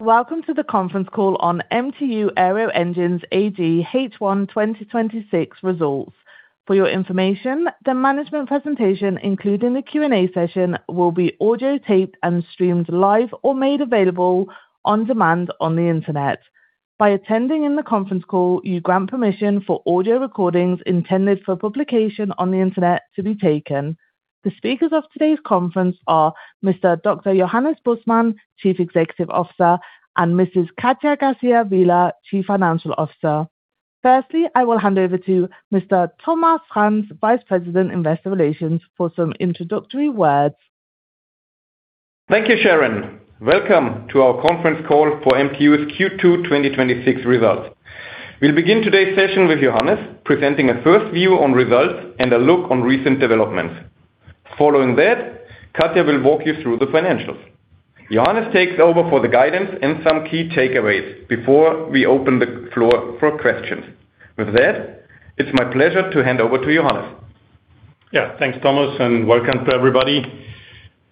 Welcome to the conference call on MTU Aero Engines AG H1 2026 results. For your information, the management presentation, including the Q&A session, will be audio-taped and streamed live or made available on demand on the internet. By attending in the conference call, you grant permission for audio recordings intended for publication on the internet to be taken. The speakers of today's conference are Mr. Dr. Johannes Bussmann, Chief Executive Officer, and Mrs. Katja García Vila, Chief Financial Officer. Firstly, I will hand over to Mr. Thomas Franz, Vice President Investor Relations, for some introductory words. Thank you, Sharon. Welcome to our conference call for MTU's Q2 2026 results. We will begin today's session with Johannes presenting a first view on results and a look on recent developments. Following that, Katja will walk you through the financials. Johannes takes over for the guidance and some key takeaways before we open the floor for questions. With that, it is my pleasure to hand over to Johannes. Thanks, Thomas. Welcome to everybody.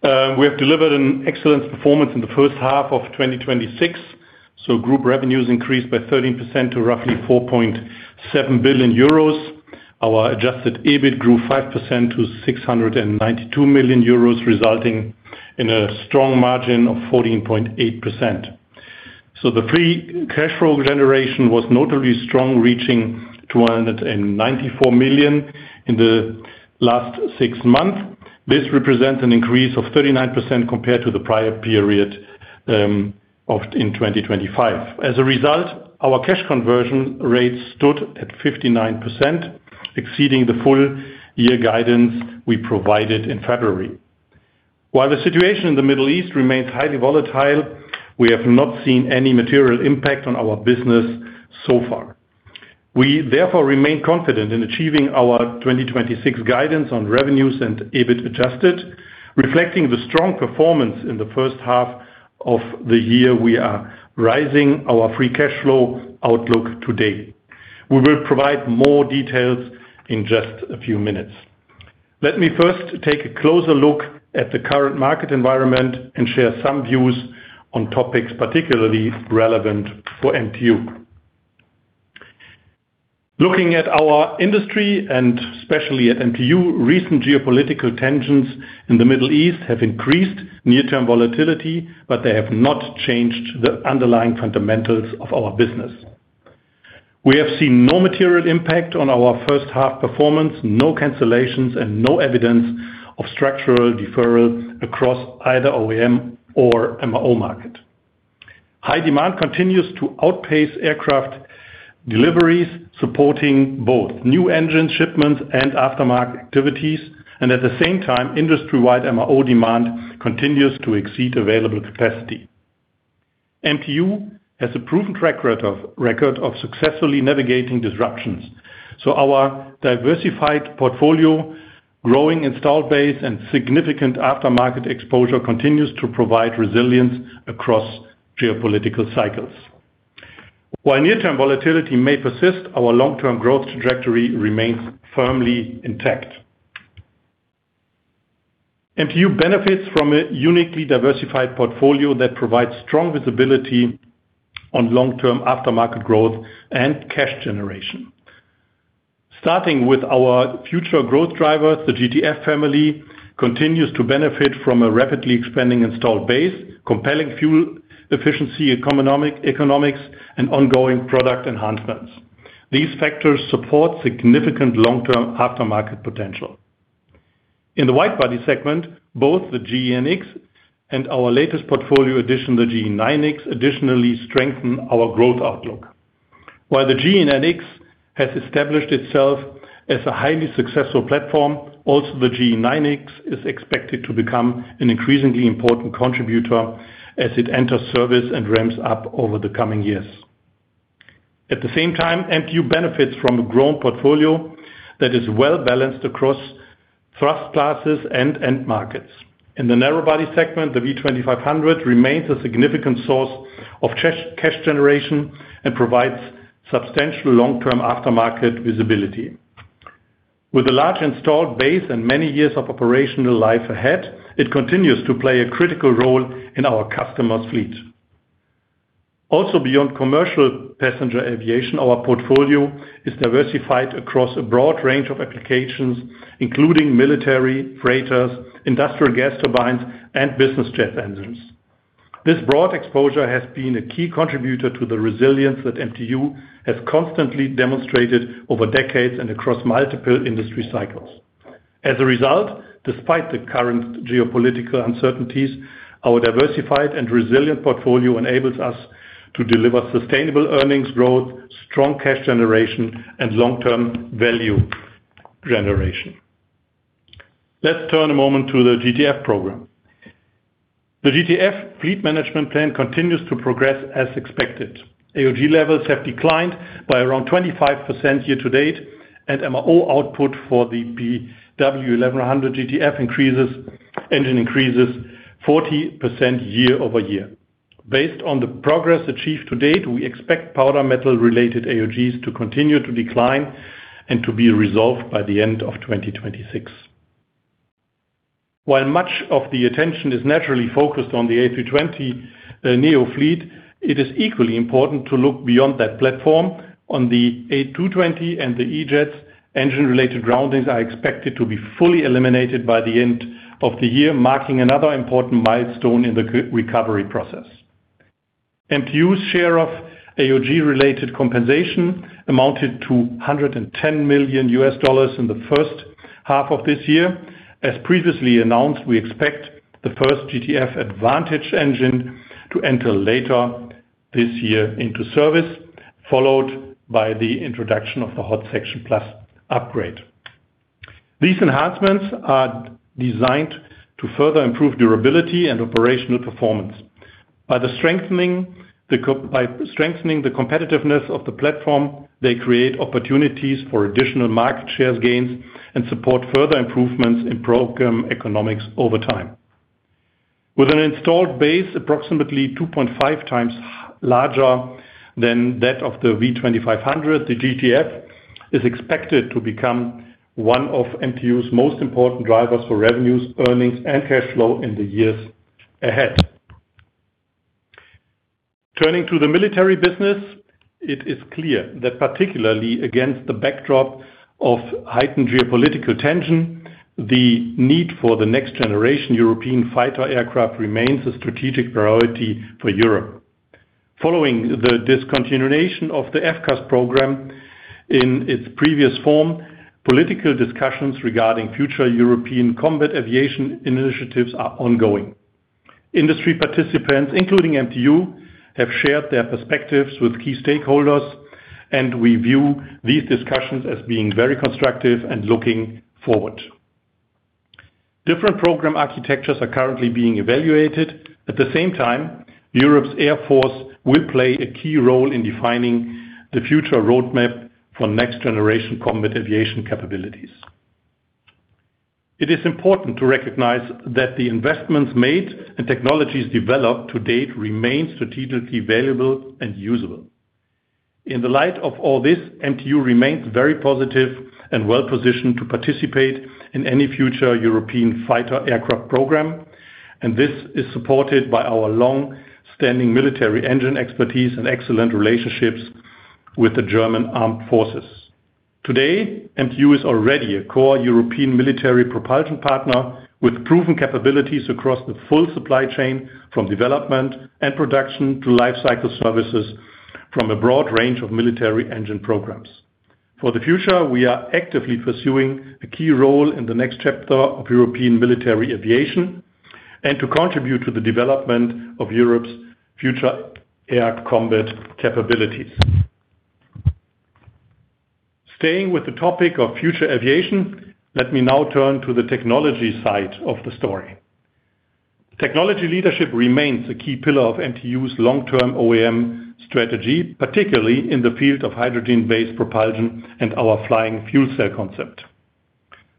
We have delivered an excellent performance in the first half of 2026. Group revenues increased by 13% to roughly 4.7 billion euros. Our adjusted EBIT grew 5% to 692 million euros, resulting in a strong margin of 14.8%. The free cash flow generation was notably strong, reaching 294 million in the last six months. This represents an increase of 39% compared to the prior period in 2025. As a result, our cash conversion rate stood at 59%, exceeding the full year guidance we provided in February. While the situation in the Middle East remains highly volatile, we have not seen any material impact on our business so far. We therefore remain confident in achieving our 2026 guidance on revenues and EBIT adjusted. Reflecting the strong performance in the first half of the year, we are raising our free cash flow outlook today. We will provide more details in just a few minutes. Let me first take a closer look at the current market environment and share some views on topics particularly relevant for MTU. Looking at our industry and especially at MTU, recent geopolitical tensions in the Middle East have increased near-term volatility, but they have not changed the underlying fundamentals of our business. We have seen no material impact on our first half performance, no cancellations, and no evidence of structural deferrals across either OEM or MRO market. High demand continues to outpace aircraft deliveries, supporting both new engine shipments and aftermarket activities. At the same time, industry-wide MRO demand continues to exceed available capacity. MTU has a proven track record of successfully navigating disruptions, our diversified portfolio, growing installed base, and significant aftermarket exposure continues to provide resilience across geopolitical cycles. While near-term volatility may persist, our long-term growth trajectory remains firmly intact. MTU benefits from a uniquely diversified portfolio that provides strong visibility on long-term aftermarket growth and cash generation. Starting with our future growth drivers, the GTF family continues to benefit from a rapidly expanding installed base, compelling fuel efficiency, economics, and ongoing product enhancements. These factors support significant long-term aftermarket potential. In the wide-body segment, both the GEnx and our latest portfolio addition, the GE9X, additionally strengthen our growth outlook. While the GEnx has established itself as a highly successful platform, also the GE9X is expected to become an increasingly important contributor as it enters service and ramps up over the coming years. At the same time, MTU benefits from a grown portfolio that is well-balanced across thrust classes and end markets. In the narrow-body segment, the V2500 remains a significant source of cash generation and provides substantial long-term aftermarket visibility. With a large installed base and many years of operational life ahead, it continues to play a critical role in our customers' fleet. Also, beyond commercial passenger aviation, our portfolio is diversified across a broad range of applications, including military, freighters, industrial gas turbines, and business jet engines. This broad exposure has been a key contributor to the resilience that MTU has constantly demonstrated over decades and across multiple industry cycles. As a result, despite the current geopolitical uncertainties, our diversified and resilient portfolio enables us to deliver sustainable earnings growth, strong cash generation, and long-term value generation. Let's turn a moment to the GTF program. The GTF fleet management plan continues to progress as expected. AOG levels have declined by around 25% year-to-date, and MRO output for the PW1100GTF engine increases 40% year-over-year. Based on the progress achieved to date, we expect powder metal-related AOGs to continue to decline and to be resolved by the end of 2026. While much of the attention is naturally focused on the A320neo fleet, it is equally important to look beyond that platform on the A220 and the E-Jet engine-related groundings are expected to be fully eliminated by the end of the year, marking another important milestone in the recovery process. MTU's share of AOG-related compensation amounted to EUR 110 million in the first half of this year. As previously announced, we expect the first GTF Advantage engine to enter later this year into service, followed by the introduction of the Hot Section Plus upgrade. These enhancements are designed to further improve durability and operational performance. By strengthening the competitiveness of the platform, they create opportunities for additional market share gains and support further improvements in program economics over time. With an installed base approximately 2.5 times larger than that of the V2500, the GTF is expected to become one of MTU's most important drivers for revenues, earnings, and cash flow in the years ahead. Turning to the military business, it is clear that particularly against the backdrop of heightened geopolitical tension, the need for the next-generation European fighter aircraft remains a strategic priority for Europe. Following the discontinuation of the FCAS program in its previous form, political discussions regarding future European combat aviation initiatives are ongoing. Industry participants, including MTU, have shared their perspectives with key stakeholders, and we view these discussions as being very constructive and looking forward. Different program architectures are currently being evaluated. At the same time, Europe's Air Force will play a key role in defining the future roadmap for next-generation combat aviation capabilities. It is important to recognize that the investments made and technologies developed to date remain strategically valuable and usable. In the light of all this, MTU remains very positive and well-positioned to participate in any future European fighter aircraft program. This is supported by our long-standing military engine expertise and excellent relationships with the German Armed Forces. Today, MTU is already a core European military propulsion partner with proven capabilities across the full supply chain, from development and production to life cycle services from a broad range of military engine programs. For the future, we are actively pursuing a key role in the next chapter of European military aviation and to contribute to the development of Europe's future air combat capabilities. Staying with the topic of future aviation, let me now turn to the technology side of the story. Technology leadership remains a key pillar of MTU's long-term OEM strategy, particularly in the field of hydrogen-based propulsion and our flying fuel cell concept.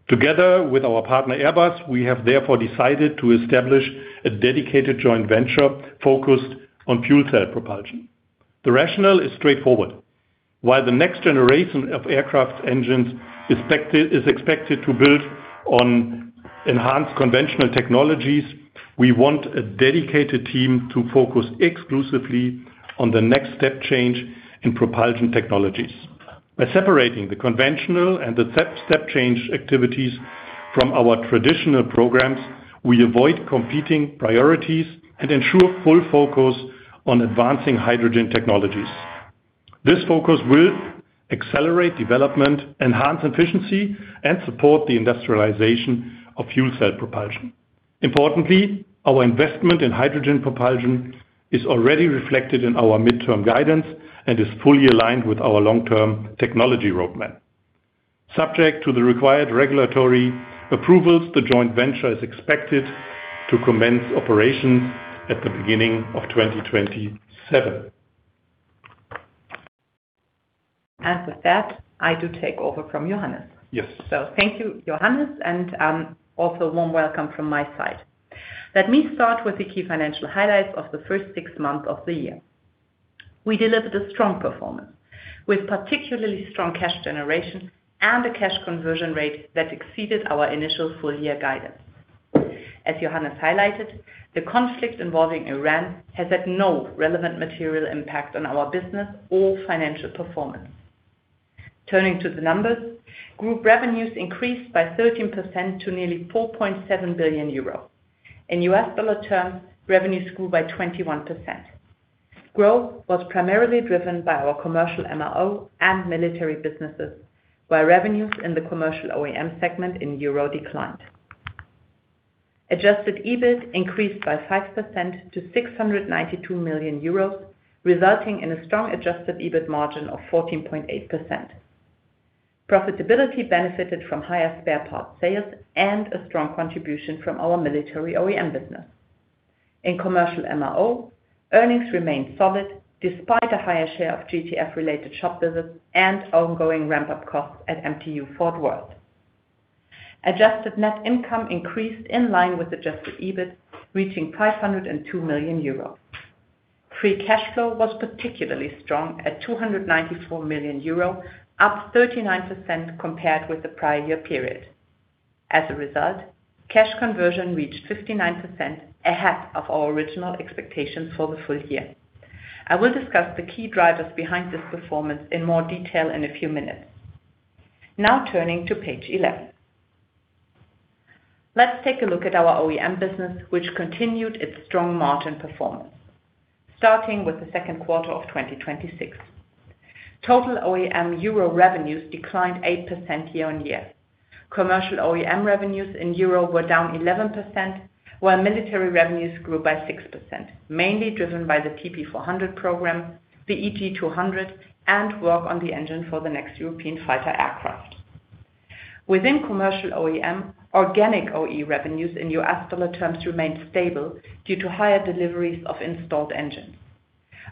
Together with our partner, Airbus, we have therefore decided to establish a dedicated joint venture focused on fuel cell propulsion. The rationale is straightforward. While the next generation of aircraft engines is expected to build on enhanced conventional technologies, we want a dedicated team to focus exclusively on the next step change in propulsion technologies. By separating the conventional and the step change activities from our traditional programs, we avoid competing priorities and ensure full focus on advancing hydrogen technologies. This focus will accelerate development, enhance efficiency, and support the industrialization of fuel cell propulsion. Importantly, our investment in hydrogen propulsion is already reflected in our midterm guidance and is fully aligned with our long-term technology roadmap. Subject to the required regulatory approvals, the joint venture is expected to commence operations at the beginning of 2027. With that, I do take over from Johannes. Yes. Thank you, Johannes, and also warm welcome from my side. Let me start with the key financial highlights of the first six months of the year. We delivered a strong performance with particularly strong cash generation and a cash conversion rate that exceeded our initial full-year guidance. As Johannes highlighted, the conflict involving Iran has had no relevant material impact on our business or financial performance. Turning to the numbers, group revenues increased by 13% to nearly 4.7 billion euro. In U.S. dollar terms, revenues grew by 21%. Growth was primarily driven by our commercial MRO and military businesses, while revenues in the commercial OEM segment in EUR declined. Adjusted EBIT increased by 5% to 692 million euros, resulting in a strong adjusted EBIT margin of 14.8%. Profitability benefited from higher spare parts sales and a strong contribution from our military OEM business. In commercial MRO, earnings remained solid despite a higher share of GTF-related shop visits and ongoing ramp-up costs at MTU Fort Worth. Adjusted net income increased in line with adjusted EBIT, reaching 502 million euros. Free cash flow was particularly strong at 294 million euros, up 39% compared with the prior year period. As a result, cash conversion reached 59%, ahead of our original expectations for the full year. I will discuss the key drivers behind this performance in more detail in a few minutes. Turning to page 11. Let's take a look at our OEM business, which continued its strong margin performance. Starting with the second quarter of 2026. Total OEM EUR revenues declined 8% year-over-year. Commercial OEM revenues in EUR were down 11%, while military revenues grew by 6%, mainly driven by the TP400 program, the EJ200, and work on the engine for the next European fighter aircraft. Within commercial OEM, organic OE revenues in U.S. dollar terms remained stable due to higher deliveries of installed engines.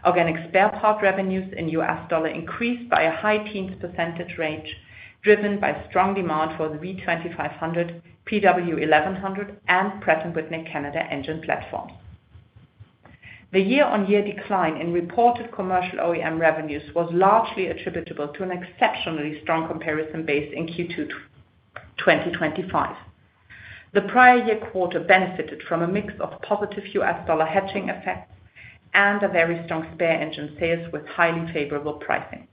Organic spare part revenues in U.S. dollar increased by a high teens % range, driven by strong demand for the V2500, PW1100, and Pratt & Whitney Canada engine platform. The year-over-year decline in reported commercial OEM revenues was largely attributable to an exceptionally strong comparison base in Q2 2025. The prior year quarter benefited from a mix of positive U.S. dollar hedging effects and a very strong spare engine sales with highly favorable pricing.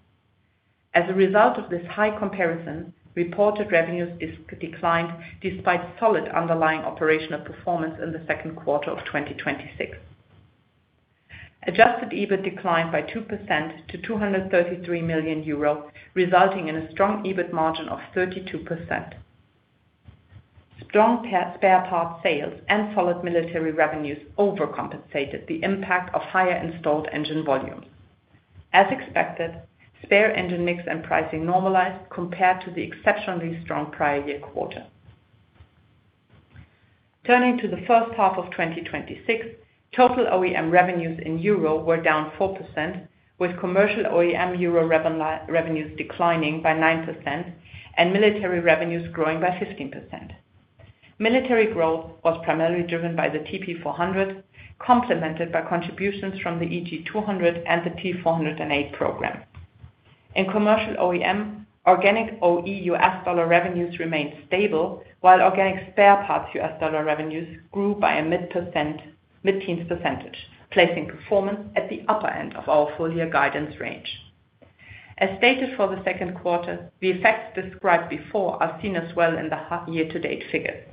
As a result of this high comparison, reported revenues declined despite solid underlying operational performance in the second quarter of 2026. Adjusted EBIT declined by 2% to 233 million euro, resulting in a strong EBIT margin of 32%. Strong spare parts sales and solid military revenues overcompensated the impact of higher installed engine volumes. As expected, spare engine mix and pricing normalized compared to the exceptionally strong prior year quarter. Turning to the first half of 2026, total OEM revenues in EUR were down 4%, with commercial OEM EUR revenues declining by 9% and military revenues growing by 15%. Military growth was primarily driven by the TP400, complemented by contributions from the EJ200 and the T408 program. In commercial OEM, organic OE U.S. dollar revenues remained stable, while organic spare parts U.S. dollar revenues grew by a mid-teens percentage, placing performance at the upper end of our full year guidance range. As stated for the second quarter, the effects described before are seen as well in the year-to-date figures.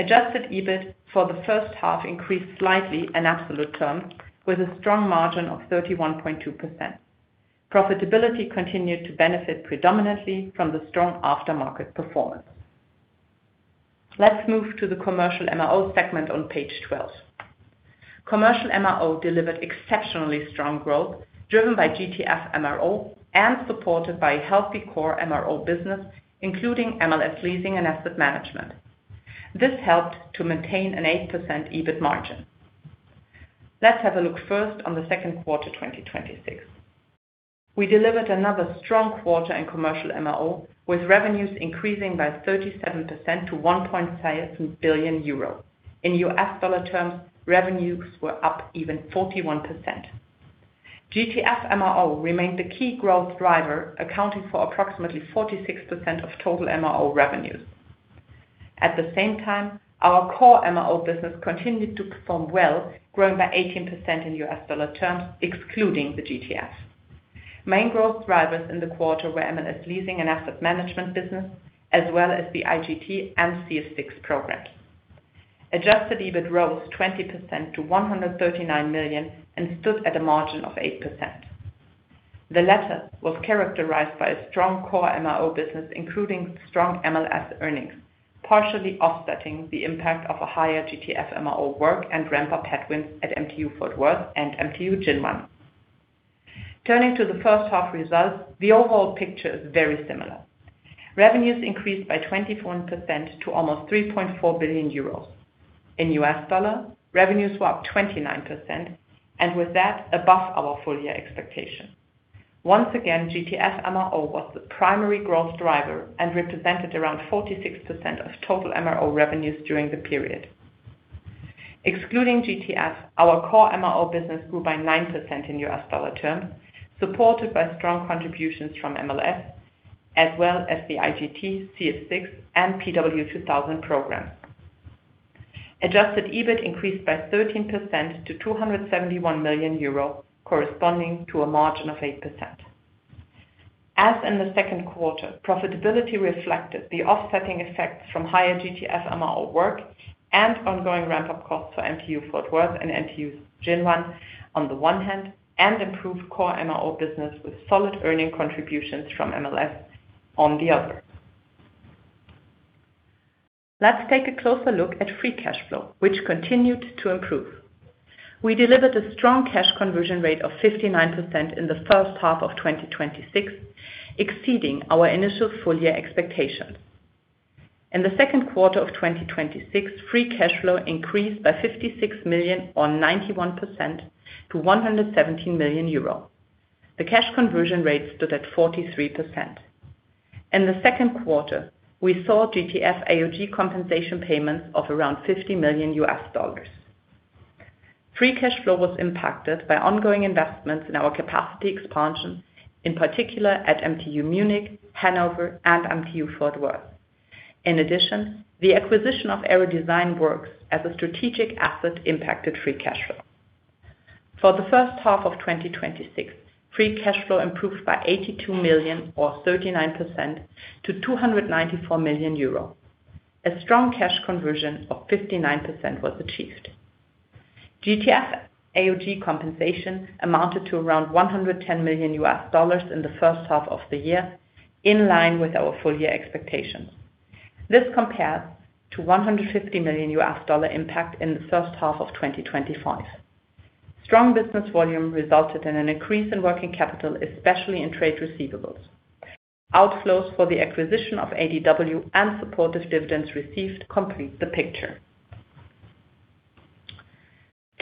Adjusted EBIT for the first half increased slightly in absolute terms with a strong margin of 31.2%. Profitability continued to benefit predominantly from the strong aftermarket performance. Let's move to the commercial MRO segment on page 12. Commercial MRO delivered exceptionally strong growth, driven by GTF MRO and supported by a healthy core MRO business, including MLS leasing and asset management. This helped to maintain an 8% EBIT margin. Let's have a look first on the second quarter 2026. We delivered another strong quarter in commercial MRO, with revenues increasing by 37% to 1.5 billion euros. In U.S. dollar terms, revenues were up even 41%. GTF MRO remained the key growth driver, accounting for approximately 46% of total MRO revenues. At the same time, our core MRO business continued to perform well, growing by 18% in U.S. dollar terms, excluding the GTF. Main growth drivers in the quarter were MLS leasing and asset management business, as well as the IGT and CF6 programs. Adjusted EBIT rose 20% to 139 million and stood at a margin of 8%. The latter was characterized by a strong core MRO business, including strong MLS earnings, partially offsetting the impact of a higher GTF MRO work and ramp-up headwinds at MTU Fort Worth and MTU Maintenance Zhuhai. Turning to the first half results, the overall picture is very similar. Revenues increased by 24% to almost 3.4 billion euros. In U.S. dollar, revenues were up 29% and with that above our full year expectation. Once again, GTF MRO was the primary growth driver and represented around 46% of total MRO revenues during the period. Excluding GTF, our core MRO business grew by 9% in U.S. dollar terms, supported by strong contributions from MLS as well as the IGT, CF6, and PW2000 programs. Adjusted EBIT increased by 13% to 271 million euros, corresponding to a margin of 8%. As in the second quarter, profitability reflected the offsetting effects from higher GTF MRO work and ongoing ramp-up costs for MTU Fort Worth and MTU Maintenance Zhuhai on the one hand, and improved core MRO business with solid earning contributions from MLS on the other. Let's take a closer look at free cash flow, which continued to improve. We delivered a strong cash conversion rate of 59% in the first half of 2026, exceeding our initial full year expectation. In the second quarter of 2026, free cash flow increased by 56 million on 91% to 117 million euro. The cash conversion rate stood at 43%. In the second quarter, we saw GTF AoG compensation payments of around EUR 50 million. Free cash flow was impacted by ongoing investments in our capacity expansion, in particular at MTU Munich, Hanover, and MTU Fort Worth. In addition, the acquisition of Aero Design Works as a strategic asset impacted free cash flow. For the first half of 2026, free cash flow improved by 82 million, or 39%, to 294 million euro. A strong cash conversion of 59% was achieved. GTF AoG compensation amounted to around EUR 110 million in the first half of the year, in line with our full-year expectations. This compares to EUR 150 million impact in the first half of 2025. Strong business volume resulted in an increase in working capital, especially in trade receivables. Outflows for the acquisition of ADW and supportive dividends received complete the picture.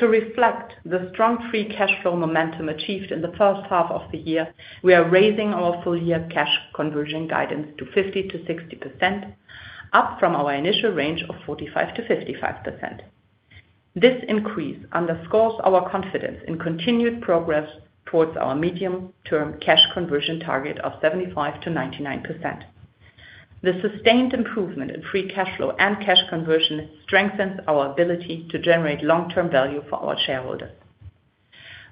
To reflect the strong free cash flow momentum achieved in the first half of the year, we are raising our full-year cash conversion guidance to 50%-60%, up from our initial range of 45%-55%. This increase underscores our confidence in continued progress towards our medium-term cash conversion target of 75%-99%. The sustained improvement in free cash flow and cash conversion strengthens our ability to generate long-term value for our shareholders.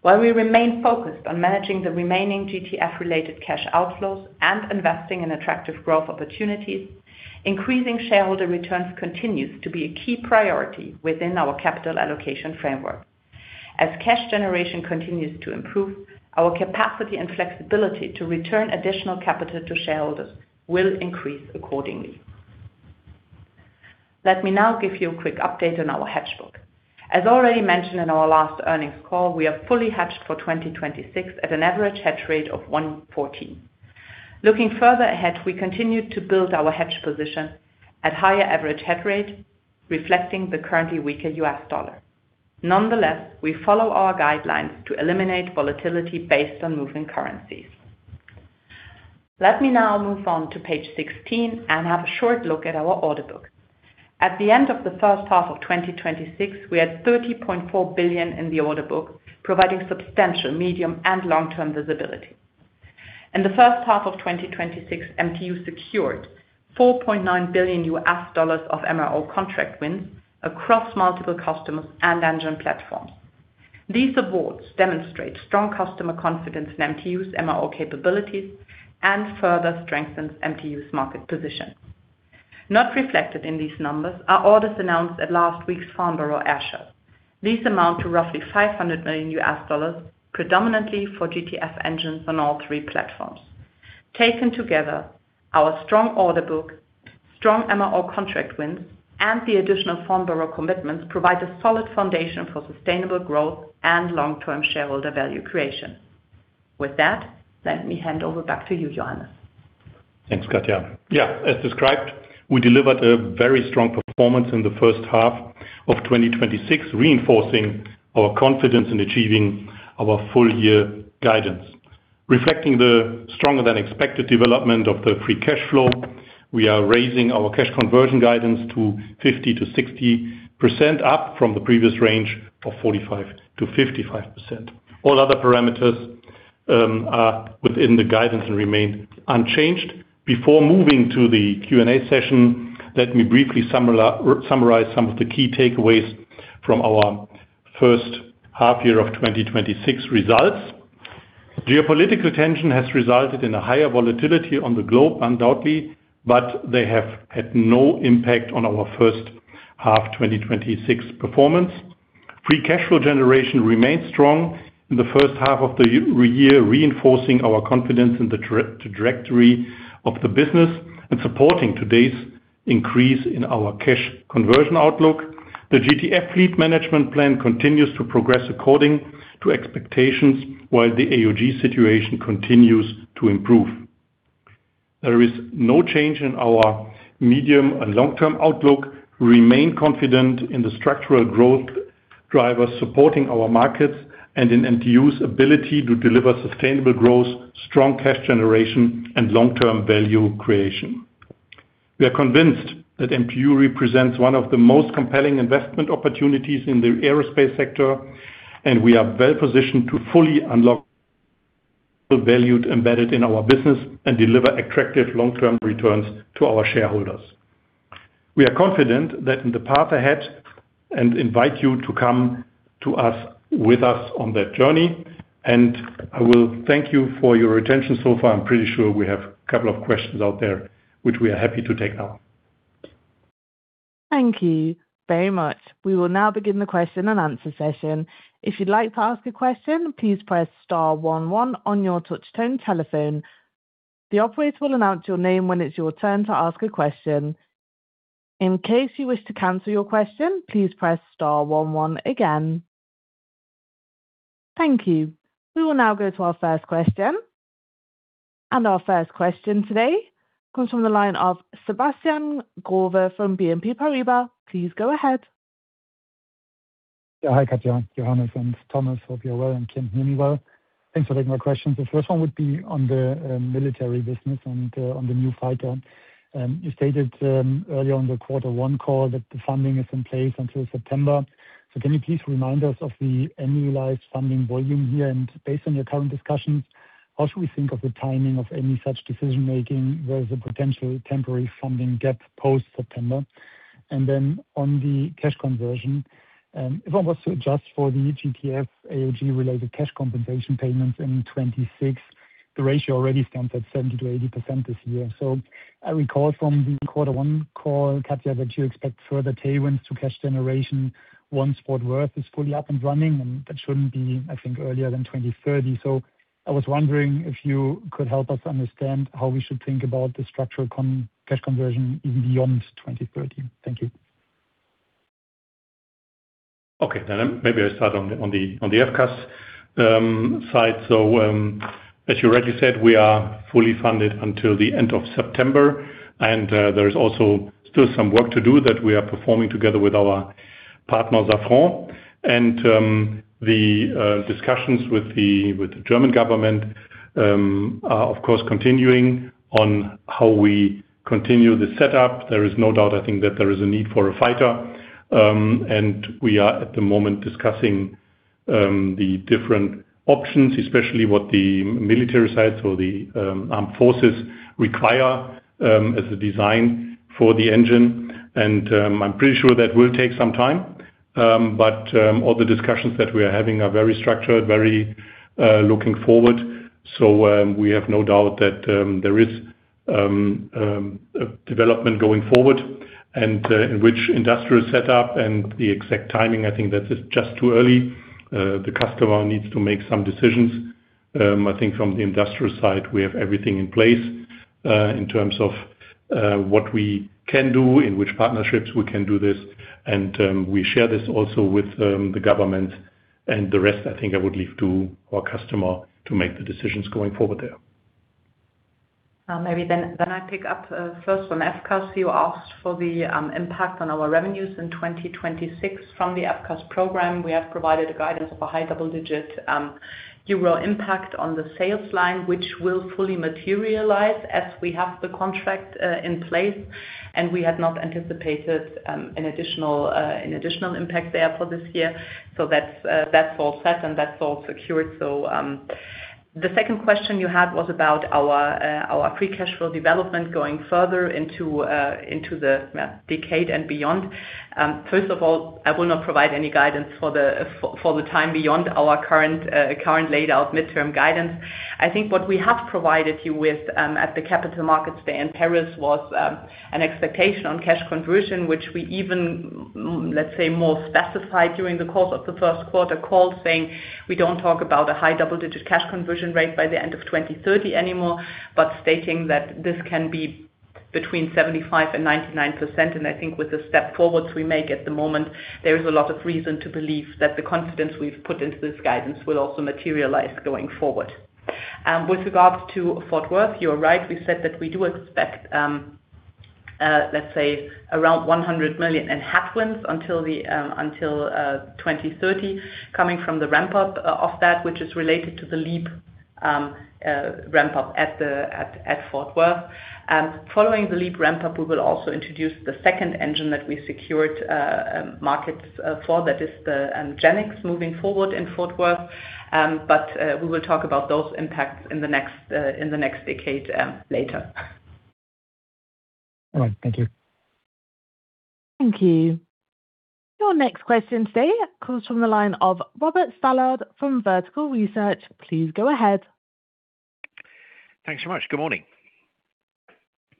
While we remain focused on managing the remaining GTF-related cash outflows and investing in attractive growth opportunities, increasing shareholder returns continues to be a key priority within our capital allocation framework. As cash generation continues to improve, our capacity and flexibility to return additional capital to shareholders will increase accordingly. Let me now give you a quick update on our hedge book. As already mentioned in our last earnings call, we are fully hedged for 2026 at an average hedge rate of 114. Looking further ahead, we continue to build our hedge position at higher average hedge rate, reflecting the currently weaker U.S. dollar. We follow our guidelines to eliminate volatility based on moving currencies. Let me now move on to page 16 and have a short look at our order book. At the end of the first half of 2026, we had 30.4 billion in the order book, providing substantial medium and long-term visibility. In the first half of 2026, MTU secured EUR 4.9 billion of MRO contract wins across multiple customers and engine platforms. These awards demonstrate strong customer confidence in MTU's MRO capabilities and further strengthens MTU's market position. Not reflected in these numbers are orders announced at last week's Farnborough Airshow. These amount to roughly EUR 500 million, predominantly for GTF engines on all three platforms. Taken together, our strong order book, strong MRO contract wins, and the additional Farnborough commitments provide a solid foundation for sustainable growth and long-term shareholder value creation. With that, let me hand over back to you, Johannes. Thanks, Katja. Yeah, as described, we delivered a very strong performance in the first half of 2026, reinforcing our confidence in achieving our full-year guidance. Reflecting the stronger than expected development of the free cash flow, we are raising our cash conversion guidance to 50%-60%, up from the previous range of 45%-55%. All other parameters are within the guidance and remain unchanged. Before moving to the Q&A session, let me briefly summarize some of the key takeaways from our first half year of 2026 results. Geopolitical tension has resulted in a higher volatility on the globe, undoubtedly, but they have had no impact on our first half 2026 performance. Free cash flow generation remains strong in the first half of the year, reinforcing our confidence in the trajectory of the business and supporting today's increase in our cash conversion outlook. The GTF fleet management plan continues to progress according to expectations, while the AOG situation continues to improve. There is no change in our medium and long-term outlook. We remain confident in the structural growth drivers supporting our markets and in MTU's ability to deliver sustainable growth, strong cash generation, and long-term value creation. We are convinced that MTU represents one of the most compelling investment opportunities in the aerospace sector, and we are well-positioned to fully unlock the value embedded in our business and deliver attractive long-term returns to our shareholders. We are confident that in the path ahead and invite you to come to us, with us on that journey, and I will thank you for your attention so far. I'm pretty sure we have a couple of questions out there, which we are happy to take now. Thank you very much. We will now begin the question and answer session. If you'd like to ask a question, please press star one one on your touch tone telephone. The operator will announce your name when it's your turn to ask a question. In case you wish to cancel your question, please press star one one again. Thank you. We will now go to our first question. Our first question today comes from the line of Sebastian Growe from BNP Paribas. Please go ahead. Yeah. Hi, Katja, Johannes, and Thomas. Hope you're well and can hear me well. Thanks for taking my questions. The first one would be on the military business on the new fighter. You stated earlier in the Quarter One call that the funding is in place until September. Can you please remind us of the annualized funding volume here, and based on your current discussions, how should we think of the timing of any such decision-making? Where is the potential temporary funding gap post September? On the cash conversion, if I was to adjust for the GTF AOG related cash compensation payments in 2026, the ratio already stands at 70%-80% this year. I recall from the Quarter One call, Katja, that you expect further tailwinds to cash generation once Fort Worth is fully up and running, and that shouldn't be, I think, earlier than 2030. I was wondering if you could help us understand how we should think about the structural cash conversion even beyond 2030. Thank you. Okay. Maybe I start on the FCAS side. As you rightly said, we are fully funded until the end of September. There is also still some work to do that we are performing together with our partner, Safran. The discussions with the German government are, of course, continuing on how we continue the setup. There is no doubt, I think that there is a need for a fighter. We are at the moment discussing the different options, especially what the military sites or the armed forces require as a design for the engine. I'm pretty sure that will take some time. All the discussions that we are having are very structured, very looking forward. We have no doubt that there is a development going forward and in which industrial setup and the exact timing, I think that is just too early. The customer needs to make some decisions. I think from the industrial side, we have everything in place, in terms of what we can do, in which partnerships we can do this. We share this also with the government and the rest, I think I would leave to our customer to make the decisions going forward there. Maybe I pick up first from FCAS. You asked for the impact on our revenues in 2026 from the FCAS program. We have provided a guidance of a high double-digit EUR impact on the sales line, which will fully materialize as we have the contract in place. We had not anticipated an additional impact there for this year. That's all set and that's all secured. The second question you had was about our free cash flow development going further into the decade and beyond. First of all, I will not provide any guidance for the time beyond our current laid out midterm guidance. I think what we have provided you with at the Capital Markets Day in Paris was an expectation on cash conversion, which we even, let's say, more specified during the course of the first quarter call, saying we don't talk about a high double-digit cash conversion rate by the end of 2030 anymore, but stating that this can be between 75% and 99%. I think with the step forwards we make at the moment, there is a lot of reason to believe that the confidence we've put into this guidance will also materialize going forward. With regards to Fort Worth, you are right. We said that we do expect, let's say around 100 million in headwinds until 2030, coming from the ramp-up of that, which is related to the LEAP ramp-up at Fort Worth. Following the LEAP ramp-up, we will also introduce the second engine that we secured markets for. That is the GEnx moving forward in Fort Worth. We will talk about those impacts in the next decade later. All right. Thank you. Thank you. Your next question today comes from the line of Robert Stallard from Vertical Research. Please go ahead. Thanks so much. Good morning.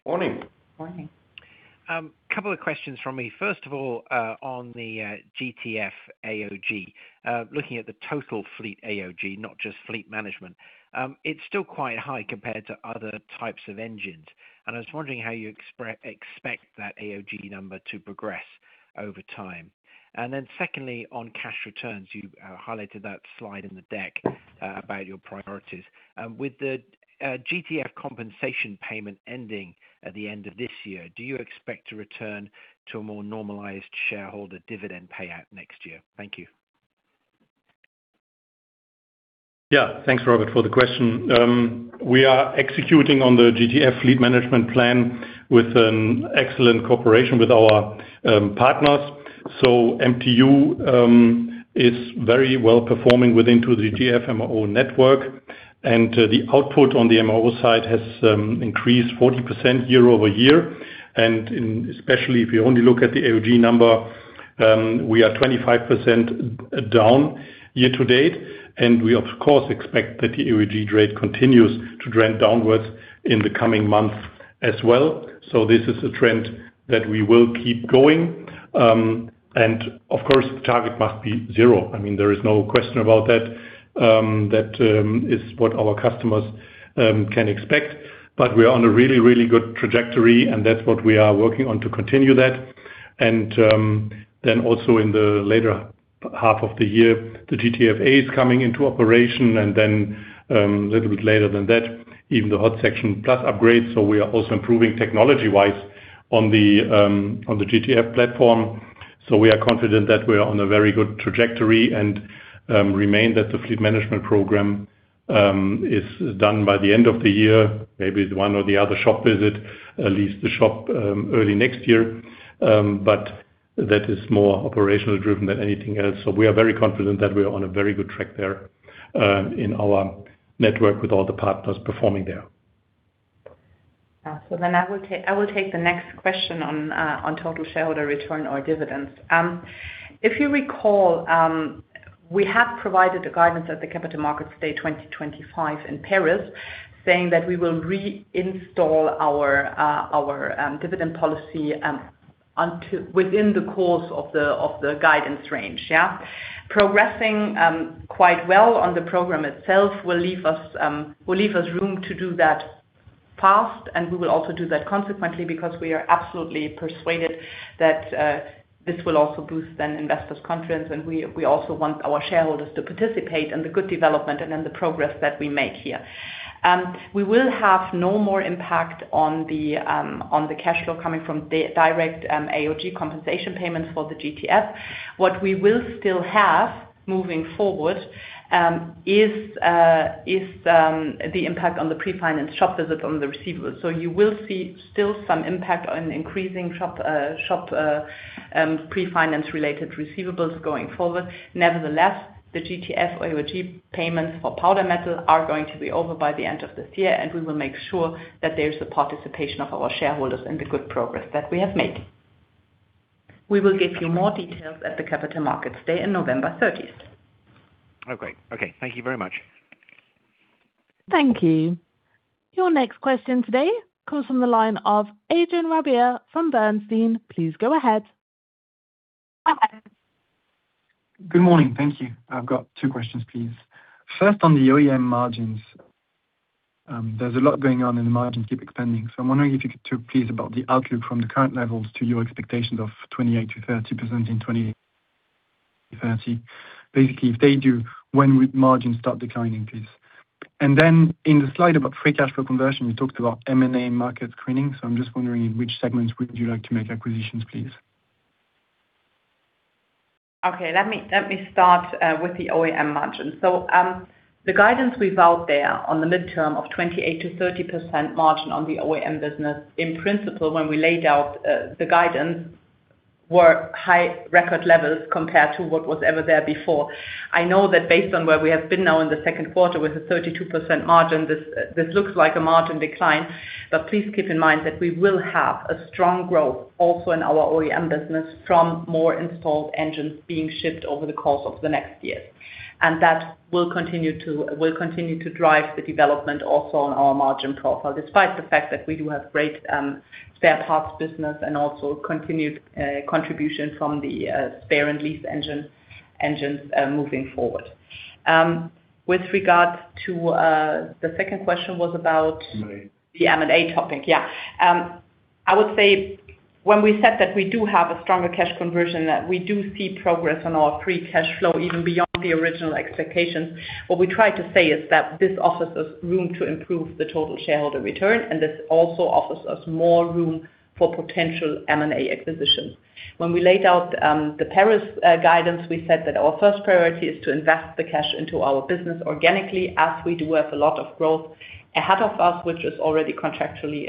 Morning. Morning. Couple of questions from me. First of all, on the GTF AOG, looking at the total fleet AOG, not just fleet management. It's still quite high compared to other types of engines. I was wondering how you expect that AOG number to progress over time. Secondly, on cash returns, you highlighted that slide in the deck about your priorities. With the GTF compensation payment ending at the end of this year, do you expect to return to a more normalized shareholder dividend payout next year? Thank you. Yeah. Thanks, Robert, for the question. We are executing on the GTF fleet management plan with an excellent cooperation with our partners. MTU is very well-performing within the GTF MRO network. The output on the MRO side has increased 40% year-over-year. Especially if you only look at the AOG number, we are 25% down year to date, and we of course, expect that the AOG rate continues to trend downwards in the coming months as well. This is a trend that we will keep going. Of course, the target must be zero. There is no question about that. That is what our customers can expect. We are on a really, really good trajectory, and that's what we are working on to continue that. Also in the later half of the year, the GTFA is coming into operation and then, a little bit later than that, even the Hot Section Plus upgrades. We are also improving technology-wise on the GTF platform. We are confident that we are on a very good trajectory and remain that the fleet management program is done by the end of the year, maybe one or the other shop visit, at least the shop early next year. That is more operationally driven than anything else. We are very confident that we are on a very good track there in our network with all the partners performing there. I will take the next question on total shareholder return or dividends. If you recall, we have provided a guidance at the Capital Markets Day 2025 in Paris, saying that we will reinstall our dividend policy within the course of the guidance range. Progressing quite well on the program itself will leave us room to do that fast, we will also do that consequently, because we are absolutely persuaded that this will also boost then investors' confidence, we also want our shareholders to participate in the good development and in the progress that we make here. We will have no more impact on the cash flow coming from direct AOG compensation payments for the GTF. What we will still have moving forward is the impact on the pre-finance shop visit on the receivables. You will see still some impact on increasing shop pre-finance related receivables going forward. Nevertheless, the GTF AOG payments for powder metal are going to be over by the end of this year, and we will make sure that there is the participation of our shareholders in the good progress that we have made. We will give you more details at the Capital Markets Day on November 30th. Great. Okay. Thank you very much. Thank you. Your next question today comes from the line of Adrien Rabier from Bernstein. Please go ahead. Good morning. Thank you. I've got two questions, please. First on the OEM margins. There's a lot going on, and the margins keep expanding. I'm wondering if you could talk, please, about the outlook from the current levels to your expectations of 28%-30% in 2030. Basically, if they do, when would margins start declining, please? In the slide about free cash flow conversion, you talked about M&A market screening. I'm just wondering in which segments would you like to make acquisitions, please? Let me start with the OEM margin. The guidance we've out there on the midterm of 28%-30% margin on the OEM business, in principle, when we laid out the guidance were high record levels compared to what was ever there before. I know that based on where we have been now in the second quarter with a 32% margin, this looks like a margin decline. Please keep in mind that we will have a strong growth also in our OEM business from more installed engines being shipped over the course of the next year. That will continue to drive the development also on our margin profile, despite the fact that we do have great spare parts business and also continued contribution from the spare and lease engines moving forward. With regards to the second question was about- M&A The M&A topic. Yeah. I would say when we said that we do have a stronger cash conversion, that we do see progress on our free cash flow even beyond the original expectations. What we try to say is that this offers us room to improve the total shareholder return, and this also offers us more room for potential M&A acquisitions. When we laid out the Paris guidance, we said that our first priority is to invest the cash into our business organically as we do have a lot of growth ahead of us, which is already contractually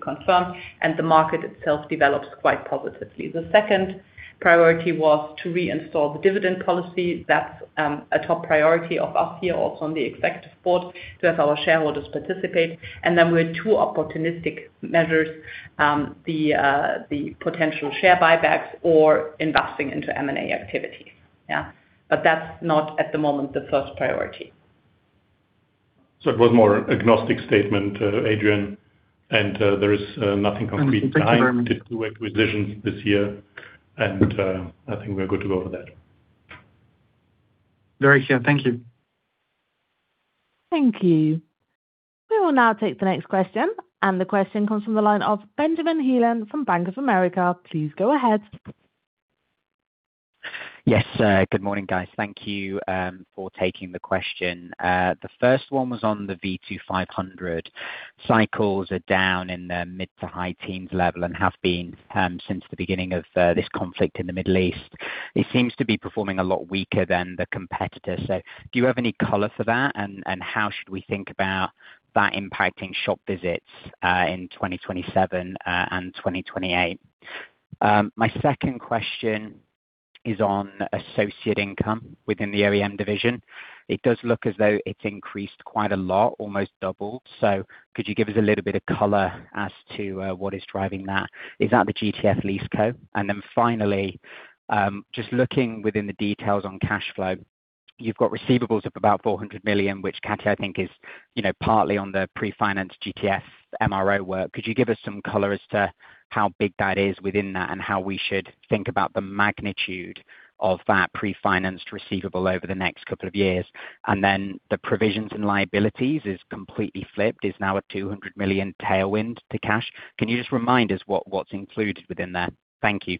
confirmed, and the market itself develops quite positively. The second priority was to reinstall the dividend policy. That's a top priority of us here also on the Executive Board to have our shareholders participate. Then with two opportunistic measures, the potential share buybacks or investing into M&A activities. Yeah. That's not at the moment the first priority. It was more agnostic statement, Adrien, and there is nothing concrete behind- Thank you very much. Two acquisitions this year, and I think we are good to go with that. Very clear. Thank you. Thank you. We will now take the next question, and the question comes from the line of Benjamin Heelan from Bank of America. Please go ahead. Yes. Good morning, guys. Thank you for taking the question. The first one was on the V2500 cycles are down in the mid to high teens level and have been since the beginning of this conflict in the Middle East. It seems to be performing a lot weaker than the competitors. Do you have any color for that? How should we think about that impacting shop visits in 2027 and 2028? My second question is on associate income within the OEM division. It does look as though it's increased quite a lot, almost doubled. Could you give us a little bit of color as to what is driving that? Is that the GTF Lease Co? Finally, just looking within the details on cash flow, you've got receivables of about 400 million, which Katja, I think is partly on the pre-finance GTF MRO work. Could you give us some color as to how big that is within that and how we should think about the magnitude of that pre-financed receivable over the next couple of years? The provisions and liabilities is completely flipped, is now a 200 million tailwind to cash. Can you just remind us what's included within that? Thank you.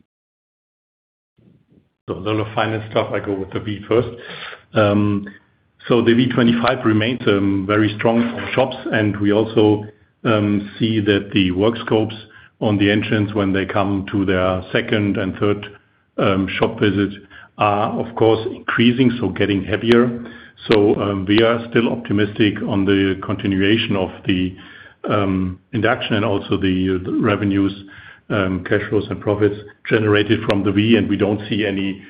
A lot of finance stuff, I go with the V first. The V25 remains very strong on shops, and we also see that the work scopes on the engines when they come to their second and third shop visit are, of course, increasing, so getting heavier. We are still optimistic on the continuation of the induction and also the revenues, cash flows, and profits generated from the V, and we don't see any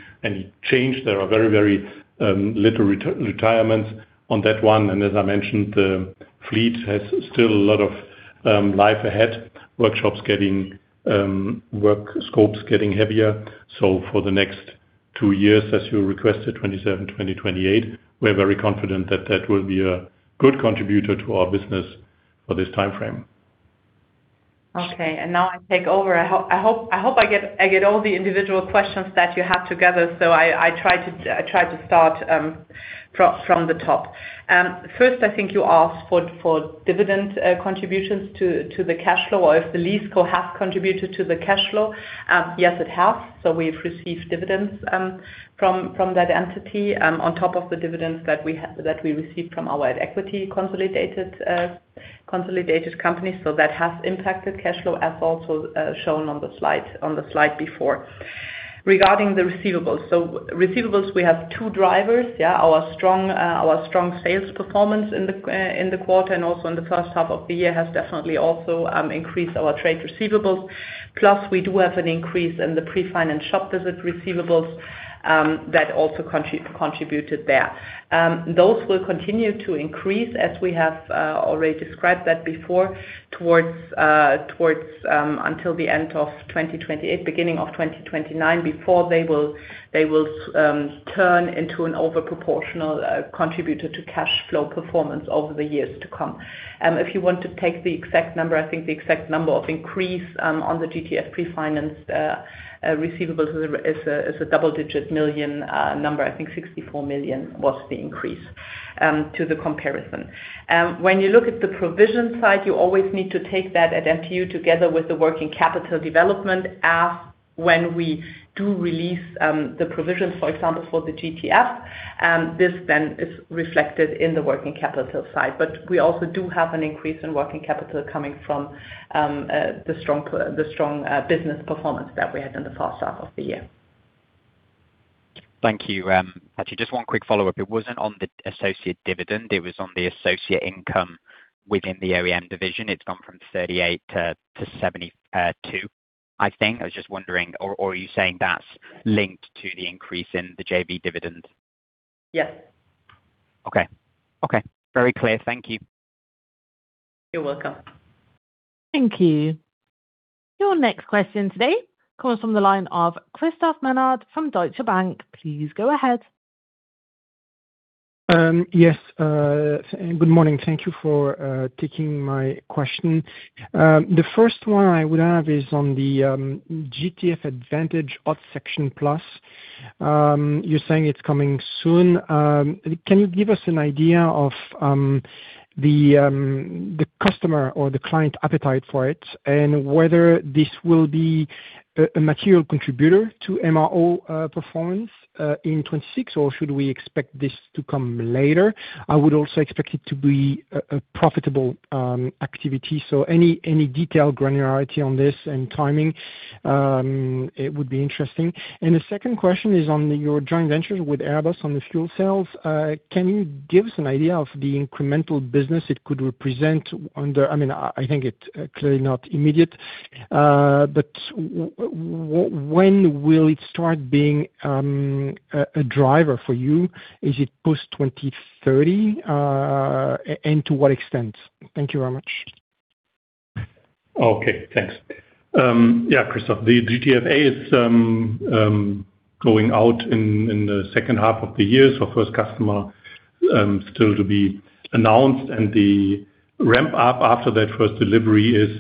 change. There are very little retirements on that one. As I mentioned, the fleet has still a lot of life ahead, workshops getting work scopes getting heavier. For the next two years as you requested, 2027, 2028, we're very confident that that will be a good contributor to our business for this timeframe. Okay, now I take over. I hope I get all the individual questions that you have together, I try to start from the top. First, I think you asked for dividend contributions to the cash flow or if the lease co has contributed to the cash flow. Yes, it has. We've received dividends from that entity on top of the dividends that we received from our equity consolidated company. That has impacted cash flow as also shown on the slide before. Regarding the receivables, we have two drivers. Our strong sales performance in the quarter and also in the first half of the year has definitely also increased our trade receivables. Plus, we do have an increase in the pre-finance shop visit receivables that also contributed there. Those will continue to increase as we have already described that before, towards until the end of 2028, beginning of 2029, before they will turn into an overproportional contributor to cash flow performance over the years to come. If you want to take the exact number, I think the exact number of increase on the GTF pre-finance receivables is a double-digit million number. I think 64 million was the increase to the comparison. When you look at the provision side, you always need to take that at MTU together with the working capital development as when we do release the provisions, for example, for the GTF. This is reflected in the working capital side. We also do have an increase in working capital coming from the strong business performance that we had in the first half of the year. Thank you. Actually, just one quick follow-up. It wasn't on the associate dividend, it was on the associate income within the OEM division. It's gone from 38 to 72, I think. I was just wondering, or are you saying that's linked to the increase in the JV dividend? Yes. Okay. Very clear. Thank you. You're welcome. Thank you. Your next question today comes from the line of Christophe Menard from Deutsche Bank. Please go ahead. Yes. Good morning. Thank you for taking my question. The first one I would have is on the GTF Advantage Hot Section+. You're saying it's coming soon. Can you give us an idea of the customer or the client appetite for it, and whether this will be a material contributor to MRO performance in 2026, or should we expect this to come later? I would also expect it to be a profitable activity. Any detail granularity on this and timing, it would be interesting. The second question is on your joint venture with Airbus on the fuel cells. Can you give us an idea of the incremental business it could represent? I think it's clearly not immediate. When will it start being a driver for you? Is it post 2030? To what extent? Thank you very much. Thanks, Christophe, the GTFA is going out in the second half of the year. First customer still to be announced and the ramp up after that first delivery is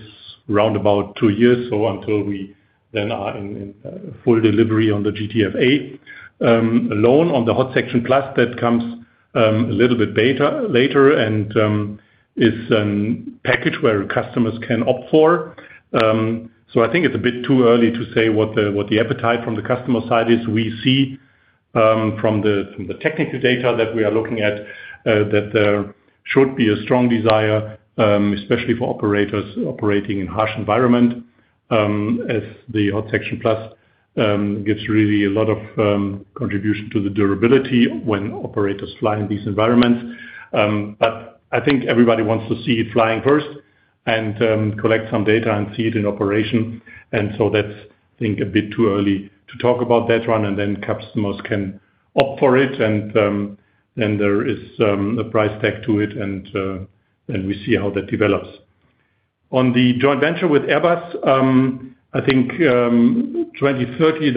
round about two years, until we then are in full delivery on the GTF A. Alone on the Hot Section+, that comes a little bit later and is a package where customers can opt for. I think it's a bit too early to say what the appetite from the customer side is. We see from the technical data that we are looking at, that there should be a strong desire, especially for operators operating in harsh environment, as the Hot Section+ gives really a lot of contribution to the durability when operators fly in these environments. I think everybody wants to see it flying first and collect some data and see it in operation. That's, I think, a bit too early to talk about that one, customers can opt for it, there is a price tag to it, and we see how that develops. On the joint venture with Airbus, I think, 2030,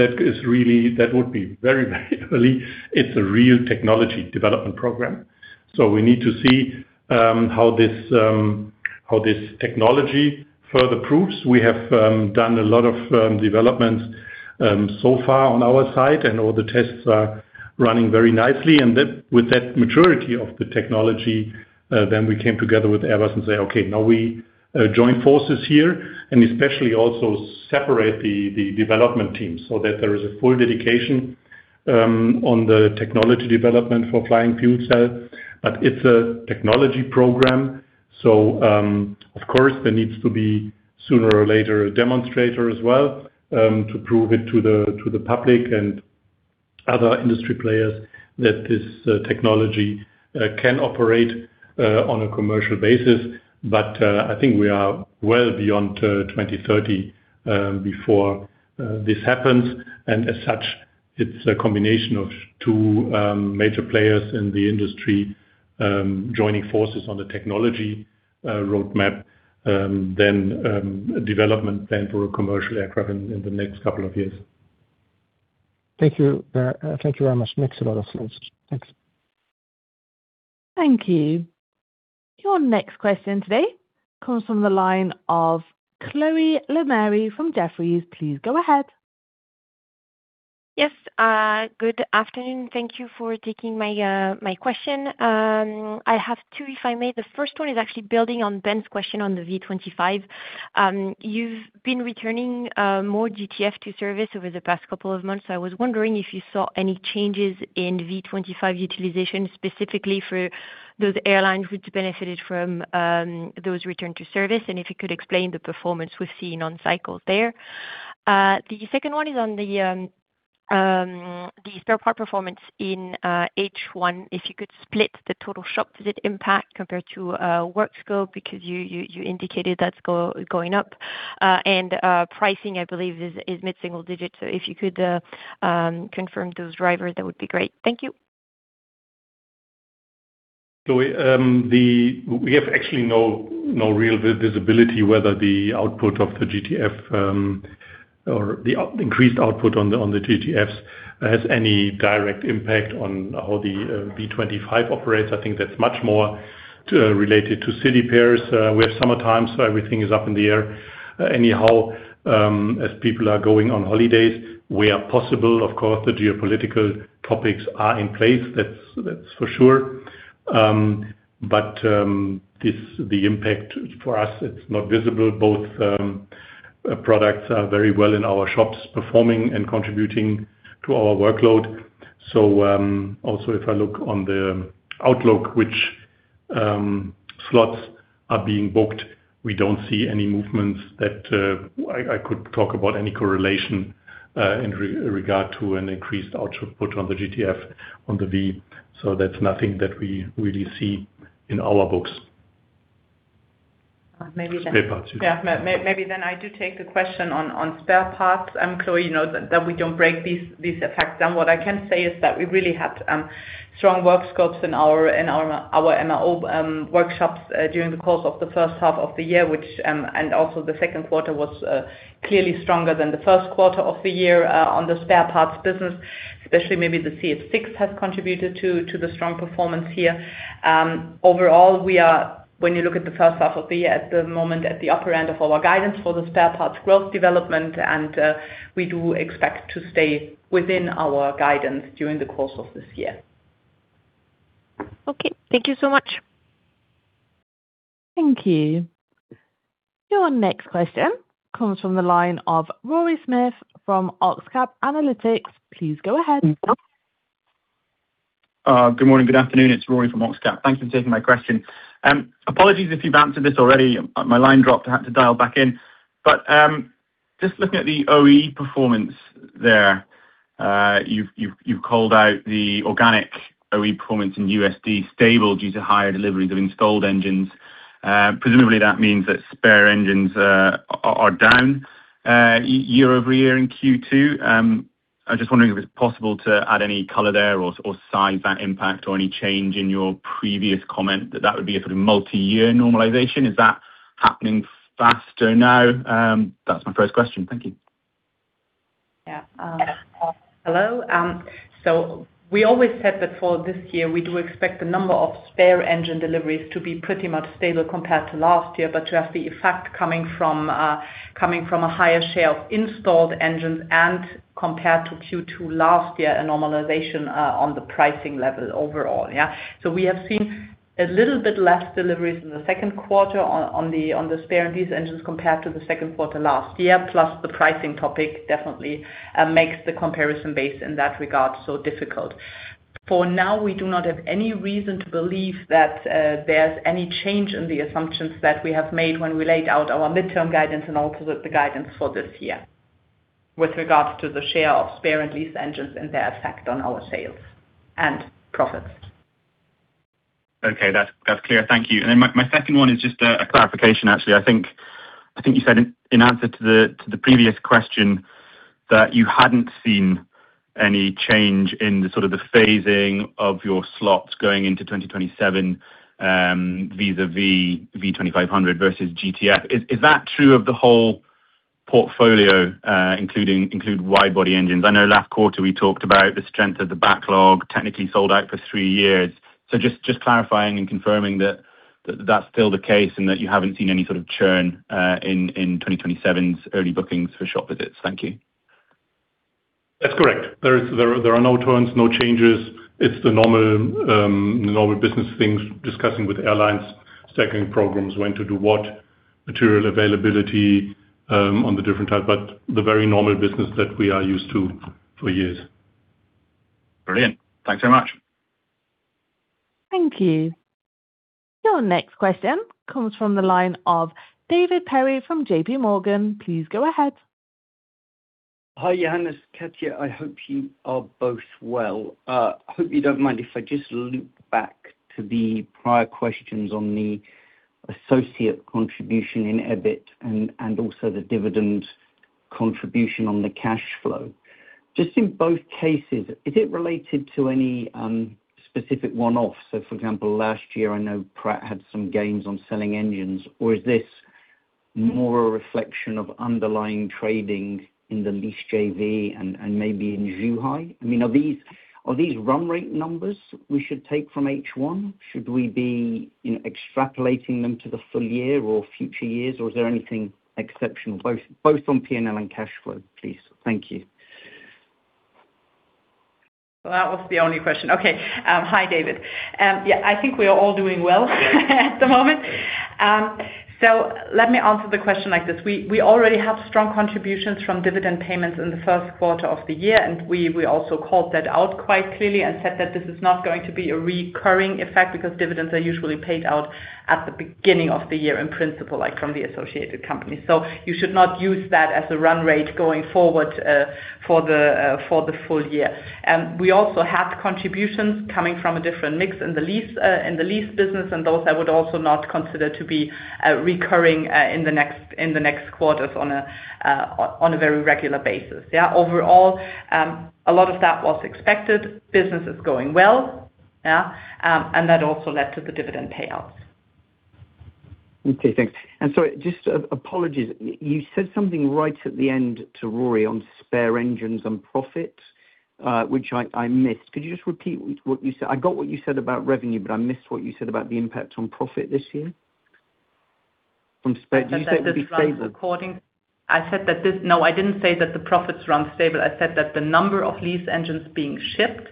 that would be very, very early. It's a real technology development program. We need to see how this technology further proves. We have done a lot of developments so far on our side, and all the tests are running very nicely. With that maturity of the technology, we came together with Airbus and say, "Okay, now we join forces here," and especially also separate the development team so that there is a full dedication on the technology development for flying fuel cells. It's a technology program, of course, there needs to be sooner or later a demonstrator as well, to prove it to the public and other industry players that this technology can operate on a commercial basis. I think we are well beyond 2030 before this happens. As such, it's a combination of two major players in the industry joining forces on the technology roadmap, then a development plan for a commercial aircraft in the next couple of years. Thank you very much. Makes a lot of sense. Thanks. Thank you. Your next question today comes from the line of Chloé Lemarie from Jefferies. Please go ahead. Yes. Good afternoon. Thank you for taking my question. I have two, if I may. The first one is actually building on Ben's question on the V25. You've been returning more GTF to service over the past couple of months. I was wondering if you saw any changes in V25 utilization, specifically for those airlines which benefited from those return to service, and if you could explain the performance we're seeing on cycles there. The second one is on the spare part performance in H1, if you could split the total shop visit impact compared to work scope, because you indicated that's going up. Pricing, I believe is mid-single-digits. If you could confirm those drivers, that would be great. Thank you. Chloé, we have actually no real visibility whether the output of the GTF or the increased output on the GTFs has any direct impact on how the V25 operates. I think that's much more related to city pairs. We have summertime, so everything is up in the air anyhow, as people are going on holidays where possible. Of course, the geopolitical topics are in place, that's for sure. But the impact for us, it's not visible. Both products are very well in our shops, performing and contributing to our workload. Also if I look on the outlook, which slots are being booked, we don't see any movements that I could talk about any correlation in regard to an increased output on the GTF on the V. That's nothing that we really see in our books. I do take the question on spare parts, Chloé, that we don't break these effects down. What I can say is that we really had strong work scopes in our MRO workshops during the course of the first half of the year, and also the second quarter was clearly stronger than the first quarter of the year on the spare parts business, especially maybe the CF6 has contributed to the strong performance here. Overall, we are, when you look at the first half of the year, at the moment, at the upper end of our guidance for the spare parts growth development, and we do expect to stay within our guidance during the course of this year. Okay. Thank you so much. Thank you. Your next question comes from the line of Rory Smith from OxCap Analytics. Please go ahead. Good morning. Good afternoon. It's Rory from OxCap. Thanks for taking my question. Apologies if you've answered this already. My line dropped, I had to dial back in. Just looking at the OE performance there, you've called out the organic OE performance in USD stable due to higher deliveries of installed engines. Presumably that means that spare engines are down year-over-year in Q2. I'm just wondering if it's possible to add any color there or size that impact or any change in your previous comment that that would be a sort of multi-year normalization. Is that happening faster now? That's my first question. Thank you. Hello. We always said that for this year, we do expect the number of spare engine deliveries to be pretty much stable compared to last year, but you have the effect coming from a higher share of installed engines and compared to Q2 last year, a normalization on the pricing level overall, yeah? We have seen a little bit less deliveries in the second quarter on the spare and lease engines compared to the second quarter last year, plus the pricing topic definitely makes the comparison base in that regard so difficult. For now, we do not have any reason to believe that there's any change in the assumptions that we have made when we laid out our midterm guidance and also the guidance for this year with regards to the share of spare and lease engines and their effect on our sales and profits. Okay. That's clear. Thank you. My second one is just a clarification, actually. I think you said in answer to the previous question that you hadn't seen any change in the sort of the phasing of your slots going into 2027, vis-a-vis V2500 versus GTF. Is that true of the whole portfolio, including wide body engines? I know last quarter we talked about the strength of the backlog, technically sold out for three years. Just clarifying and confirming that that's still the case and that you haven't seen any sort of churn in 2027's early bookings for shop visits. Thank you. That's correct. There are no churns, no changes. It's the normal business things, discussing with airlines, stacking programs, when to do what. Material availability on the different types, but the very normal business that we are used to for years. Brilliant. Thanks very much. Thank you. Your next question comes from the line of David Perry from JPMorgan. Please go ahead. Hi, Johannes, Katja. I hope you are both well. I hope you don't mind if I just loop back to the prior questions on the associate contribution in EBIT and also the dividend contribution on the cash flow. Just in both cases, is it related to any specific one-off? For example, last year, I know Pratt had some gains on selling engines or is this more a reflection of underlying trading in the lease JV and maybe in Zhuhai? Are these run rate numbers we should take from H1? Should we be extrapolating them to the full year or future years, or is there anything exceptional, both on P&L and cash flow, please? Thank you. That was the only question. Okay. Hi, David. Yeah, I think we are all doing well at the moment. Let me answer the question like this. We already have strong contributions from dividend payments in the first quarter of the year, and we also called that out quite clearly and said that this is not going to be a recurring effect because dividends are usually paid out at the beginning of the year in principle, like from the associated company. You should not use that as a run rate going forward for the full year. We also have contributions coming from a different mix in the lease business and those I would also not consider to be recurring in the next quarters on a very regular basis. Overall, a lot of that was expected. Business is going well. That also led to the dividend payouts. Okay, thanks. Just apologies, you said something right at the end to Rory on spare engines and profit, which I missed. Could you just repeat what you said? I got what you said about revenue, but I missed what you said about the impact on profit this year from spare. You said it would be stable. No, I didn't say that the profits run stable. I said that the number of lease engines being shipped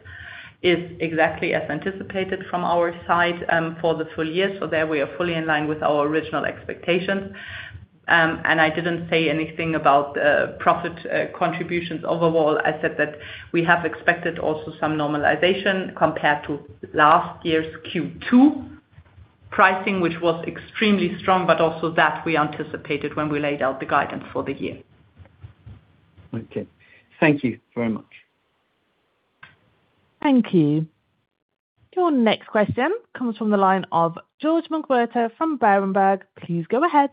is exactly as anticipated from our side for the full year. There we are fully in line with our original expectations. I didn't say anything about profit contributions overall. I said that we have expected also some normalization compared to last year's Q2 pricing, which was extremely strong, but also that we anticipated when we laid out the guidance for the year. Okay. Thank you very much. Thank you. Your next question comes from the line of George McWhirter from Berenberg. Please go ahead.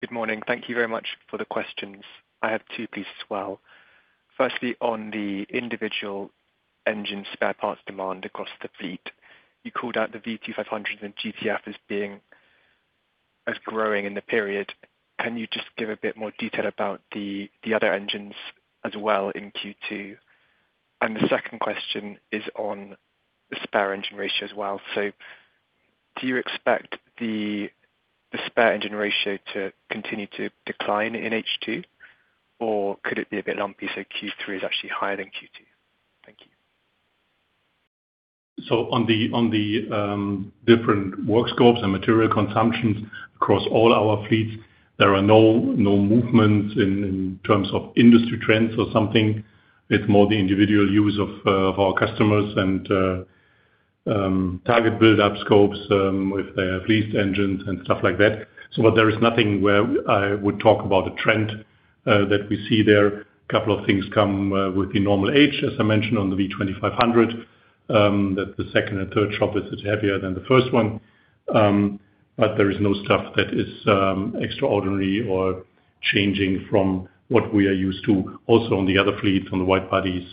Good morning. Thank you very much for the questions. I have two, please, as well. Firstly, on the individual engine spare parts demand across the fleet, you called out the V2500 and GTF as growing in the period. Can you just give a bit more detail about the other engines as well in Q2? The second question is on the spare engine ratio as well. Do you expect the spare engine ratio to continue to decline in H2? Could it be a bit lumpy, Q3 is actually higher than Q2? Thank you. On the different work scopes and material consumptions across all our fleets, there are no movements in terms of industry trends or something. It's more the individual use of our customers and target buildup scopes with their leased engines and stuff like that. There is nothing where I would talk about a trend that we see there. A couple of things come with the normal age, as I mentioned, on the V2500, that the second and third shop is heavier than the first one. There is no stuff that is extraordinary or changing from what we are used to, also on the other fleets, on the wide bodies,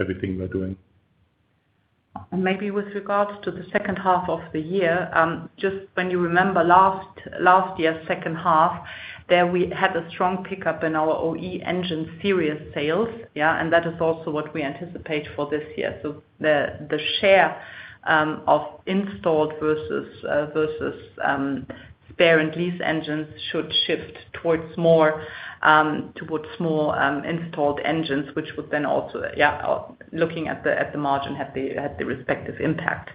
everything we're doing. Maybe with regards to the second half of the year, just when you remember last year second half, there we had a strong pickup in our OE engine serious sales. That is also what we anticipate for this year. The share of installed versus spare and lease engines should shift towards more installed engines, which would then also, looking at the margin, have the respective impact.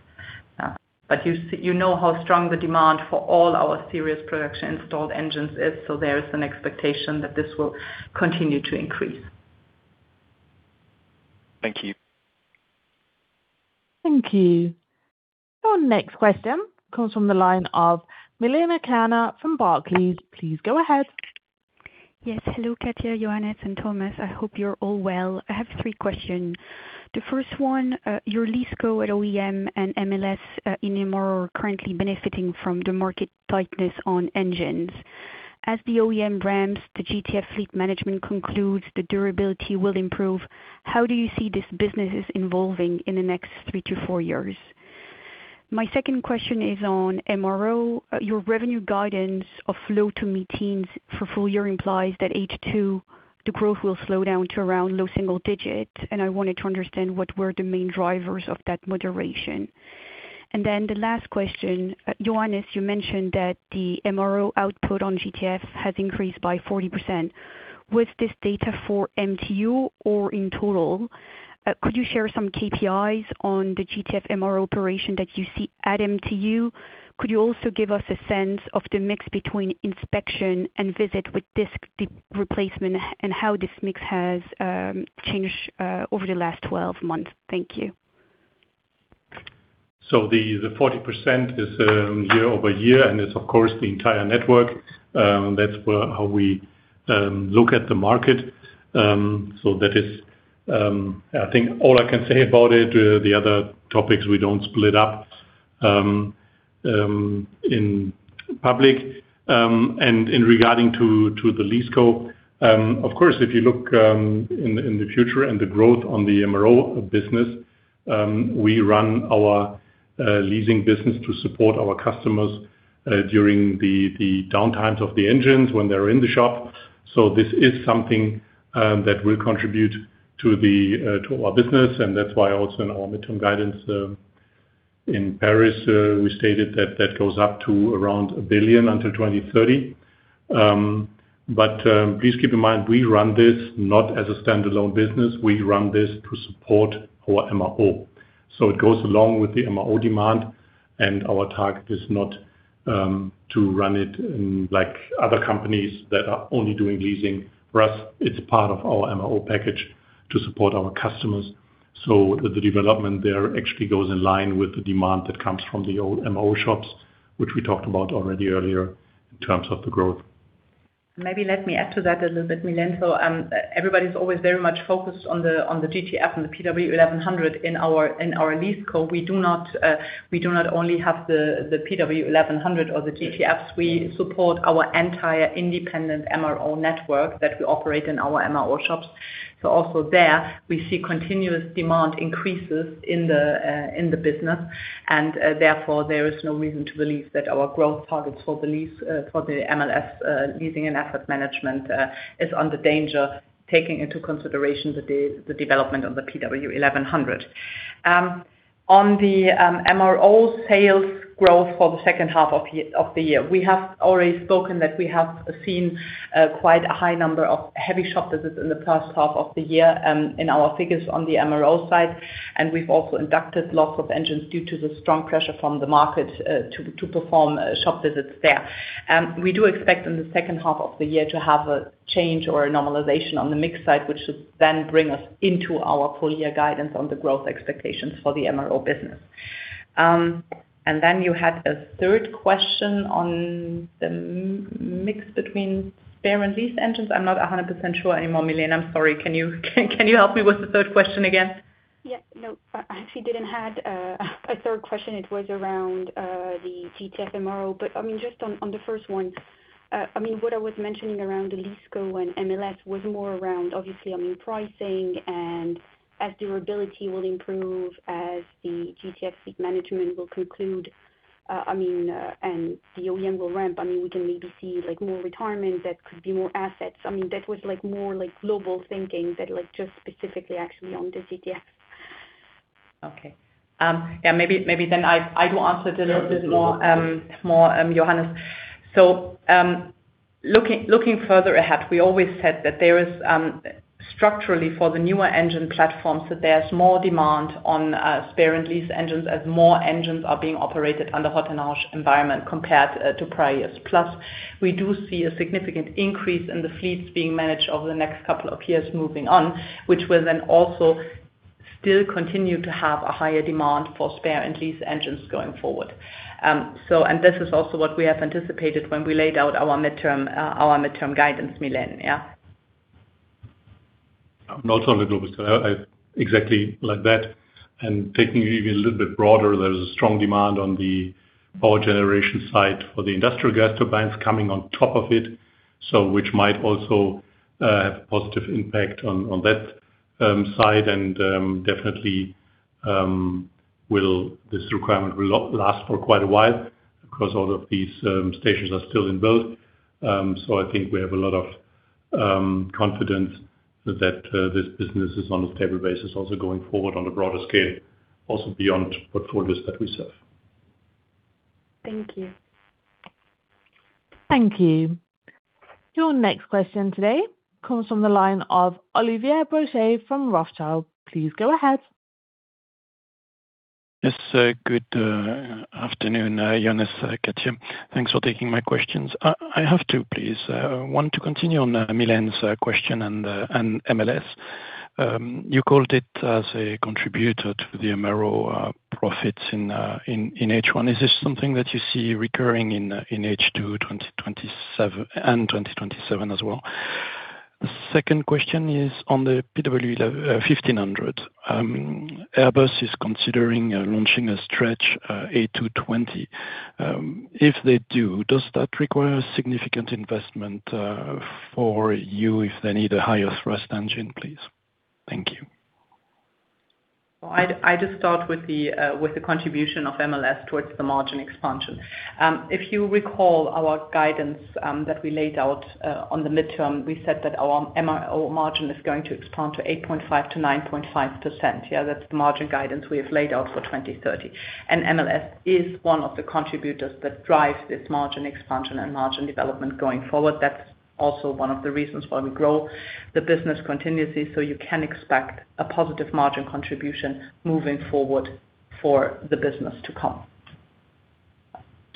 You know how strong the demand for all our serious production installed engines is, so there is an expectation that this will continue to increase. Thank you. Thank you. Our next question comes from the line of Milène Kerner from Barclays. Please go ahead. Yes. Hello, Katja, Johannes, and Thomas. I hope you're all well. I have three questions. The first one, your lease co at OEM and MLS in MRO are currently benefiting from the market tightness on engines. As the OEM ramps, the GTF fleet management concludes the durability will improve. How do you see this business is evolving in the next three to four years? My second question is on MRO. Your revenue guidance of low to mid-teens for full year implies that H2, the growth will slow down to around low single digit, and I wanted to understand what were the main drivers of that moderation. The last question, Johannes, you mentioned that the MRO output on GTF has increased by 40%. Was this data for MTU or in total? Could you share some KPIs on the GTF MRO operation that you see at MTU? Could you also give us a sense of the mix between inspection and visit with disc replacement and how this mix has changed over the last 12 months? Thank you. The 40% is year-over-year, and it's, of course, the entire network. That's how we look at the market. That is, I think, all I can say about it. The other topics we don't split up in public. In regarding to the lease co, of course, if you look in the future and the growth on the MRO business, we run our leasing business to support our customers during the downtimes of the engines when they're in the shop. This is something that will contribute to our business, and that's why also in our midterm guidance in Paris, we stated that goes up to around 1 billion until 2030. Please keep in mind, we run this not as a standalone business. We run this to support our MRO. It goes along with the MRO demand, our target is not to run it like other companies that are only doing leasing. For us, it's part of our MRO package to support our customers. The development there actually goes in line with the demand that comes from the old MRO shops, which we talked about already earlier in terms of the growth. Maybe let me add to that a little bit, Milène. Everybody's always very much focused on the GTF and the PW1100G in our lease co. We do not only have the PW1100G or the GTFs. We support our entire independent MRO network that we operate in our MRO shops. Also there, we see continuous demand increases in the business, therefore, there is no reason to believe that our growth targets for the lease for the MLS, leasing and asset management, is under danger, taking into consideration the development of the PW1100G. On the MRO sales growth for the second half of the year, we have already spoken that we have seen quite a high number of heavy shop visits in the first half of the year in our figures on the MRO side, we've also inducted lots of engines due to the strong pressure from the market to perform shop visits there. We do expect in the second half of the year to have a change or a normalization on the mix side, which should then bring us into our full year guidance on the growth expectations for the MRO business. Then you had a third question on the mix between spare and lease engines. I'm not 100% sure anymore, Milène. I'm sorry. Can you help me with the third question again? Yeah. No, I actually didn't have a third question. It was around the GTF MRO. Just on the first one, what I was mentioning around the lease co and MLS was more around, obviously, on pricing and as durability will improve, as the GTF fleet management will conclude, and the OEM will ramp, we can maybe see more retirement that could be more assets. That was more global thinking than just specifically actually on the GTF. Okay. Maybe I do answer it a little bit more, Johannes. Looking further ahead, we always said that there is structurally for the newer engine platforms, that there is more demand on spare and lease engines as more engines are being operated under hot and harsh environment compared to prior years. Plus, we do see a significant increase in the fleets being managed over the next couple of years moving on, which will also still continue to have a higher demand for spare and lease engines going forward. This is also what we have anticipated when we laid out our midterm guidance, Milène. Not only global. Exactly like that. Taking it even a little bit broader, there is a strong demand on the power generation side for the industrial gas turbines coming on top of it. Which might also have a positive impact on that side, and definitely this requirement will last for quite a while because all of these stations are still in build. I think we have a lot of confidence that this business is on a stable basis, also going forward on a broader scale, also beyond portfolios that we serve. Thank you. Thank you. Your next question today comes from the line of Olivier Brochet from Rothschild. Please go ahead. Yes, good afternoon, Johannes, Katja. Thanks for taking my questions. I have two, please. One, to continue on Milène's question on MLS. You called it as a contributor to the MRO profits in H1. Is this something that you see recurring in H2 2027 and 2027 as well? Second question is on the PW1500G. Airbus is considering launching a stretch A220. If they do, does that require a significant investment for you if they need a higher thrust engine, please? Thank you. I just start with the contribution of MLS towards the margin expansion. If you recall our guidance that we laid out on the midterm, we said that our MRO margin is going to expand to 8.5%-9.5%. That's the margin guidance we have laid out for 2030. MLS is one of the contributors that drive this margin expansion and margin development going forward. That's also one of the reasons why we grow the business continuously, you can expect a positive margin contribution moving forward for the business to come.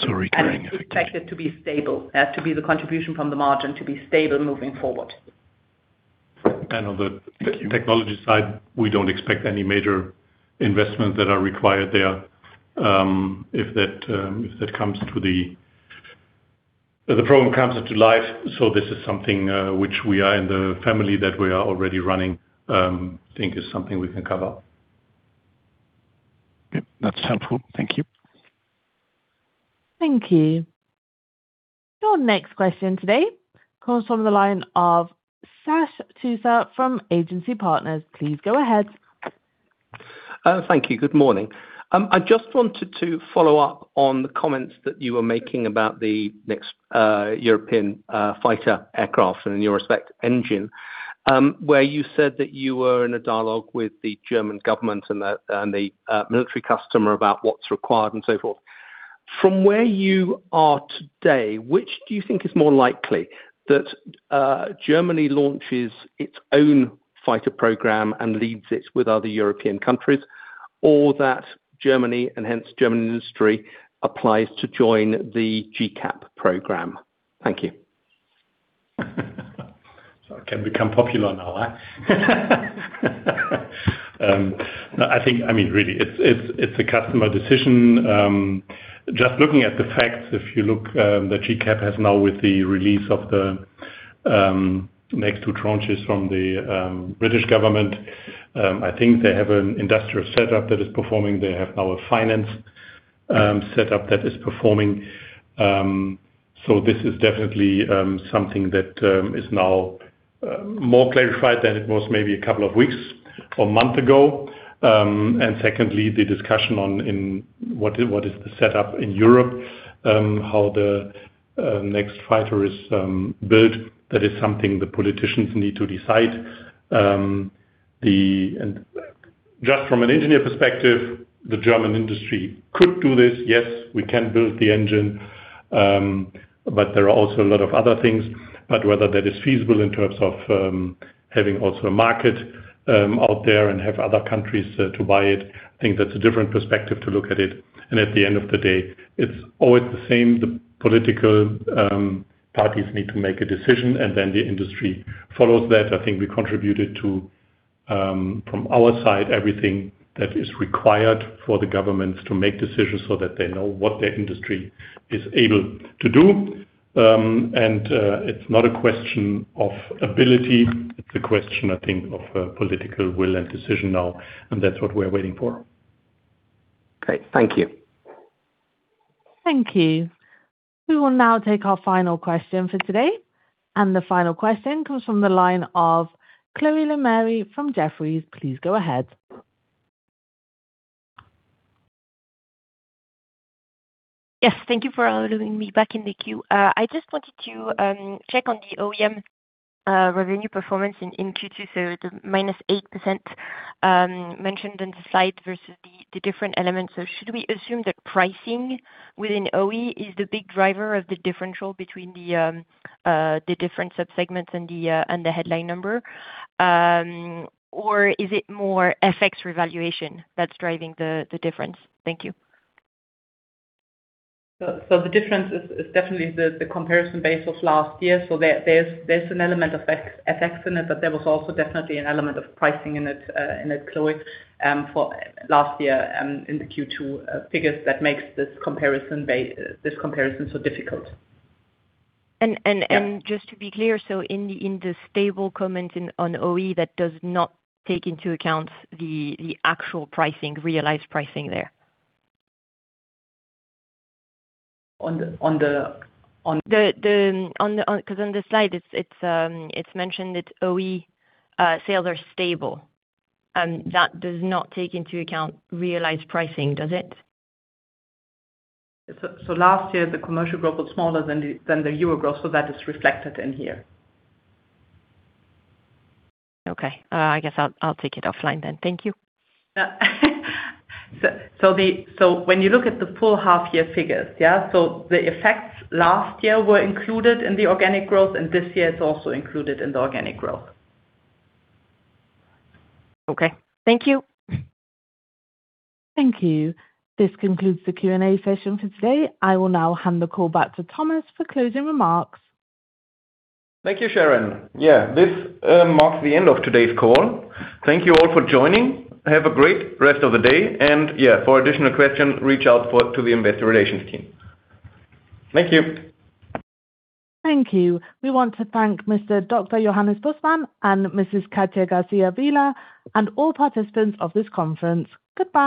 Recurring effectively It's expected to be stable. That to be the contribution from the margin to be stable moving forward. On the technology side, we don't expect any major investments that are required there, if the problem comes to life. This is something which we are in the family that we are already running. I think is something we can cover. Yep, that's helpful. Thank you. Thank you. Your next question today comes from the line of Sash Tusa from Agency Partners. Please go ahead. Thank you. Good morning. I just wanted to follow up on the comments that you were making about the next European fighter aircraft and in your respect, engine, where you said that you were in a dialogue with the German government and the military customer about what's required and so forth. From where you are today, which do you think is more likely, that Germany launches its own fighter program and leads it with other European countries? Or that Germany and hence German industry applies to join the GCAP program? Thank you. I can become popular now, huh? I think, really it's a customer decision. Just looking at the facts, if you look, the GCAP has now with the release of the next two tranches from the British government, I think they have an industrial setup that is performing. They have now a finance setup that is performing. This is definitely something that is now more clarified than it was maybe a couple of weeks or a month ago. Secondly, the discussion on what is the setup in Europe, how the next fighter is built, that is something the politicians need to decide. Just from an engineer perspective, the German industry could do this. Yes, we can build the engine. There are also a lot of other things. Whether that is feasible in terms of having also a market out there and have other countries to buy it, I think that's a different perspective to look at it. At the end of the day, it's always the same. The political parties need to make a decision, then the industry follows that. I think we contributed to, from our side, everything that is required for the governments to make decisions so that they know what their industry is able to do. It's not a question of ability, it's a question, I think, of political will and decision now, and that's what we're waiting for. Great. Thank you. Thank you. We will now take our final question for today. The final question comes from the line of Chloé Lemarie from Jefferies. Please go ahead. Yes, thank you for allowing me back in the queue. I just wanted to check on the OEM revenue performance in Q2. The minus 8% mentioned in the slide versus the different elements. Should we assume that pricing within OE is the big driver of the differential between the different subsegments and the headline number? Is it more FX revaluation that's driving the difference? Thank you. The difference is definitely the comparison base of last year. There's an element of FX in it, but there was also definitely an element of pricing in it, Chloé, for last year, in the Q2 figures that makes this comparison so difficult. Just to be clear, in the stable comment on OE, that does not take into account the actual pricing, realized pricing there? On the- On the slide it's mentioned it's OE sales are stable. That does not take into account realized pricing, does it? Last year the commercial growth was smaller than the euro growth, so that is reflected in here. Okay. I guess I'll take it offline then. Thank you. When you look at the full half year figures, yeah? The effects last year were included in the organic growth. This year it's also included in the organic growth. Okay. Thank you. Thank you. This concludes the Q&A session for today. I will now hand the call back to Thomas for closing remarks. Thank you, Sharon. This marks the end of today's call. Thank you all for joining. Have a great rest of the day. For additional questions, reach out to the investor relations team. Thank you. Thank you. We want to thank Mr. Dr. Johannes Bussmann and Mrs. Katja García Vila and all participants of this conference. Goodbye.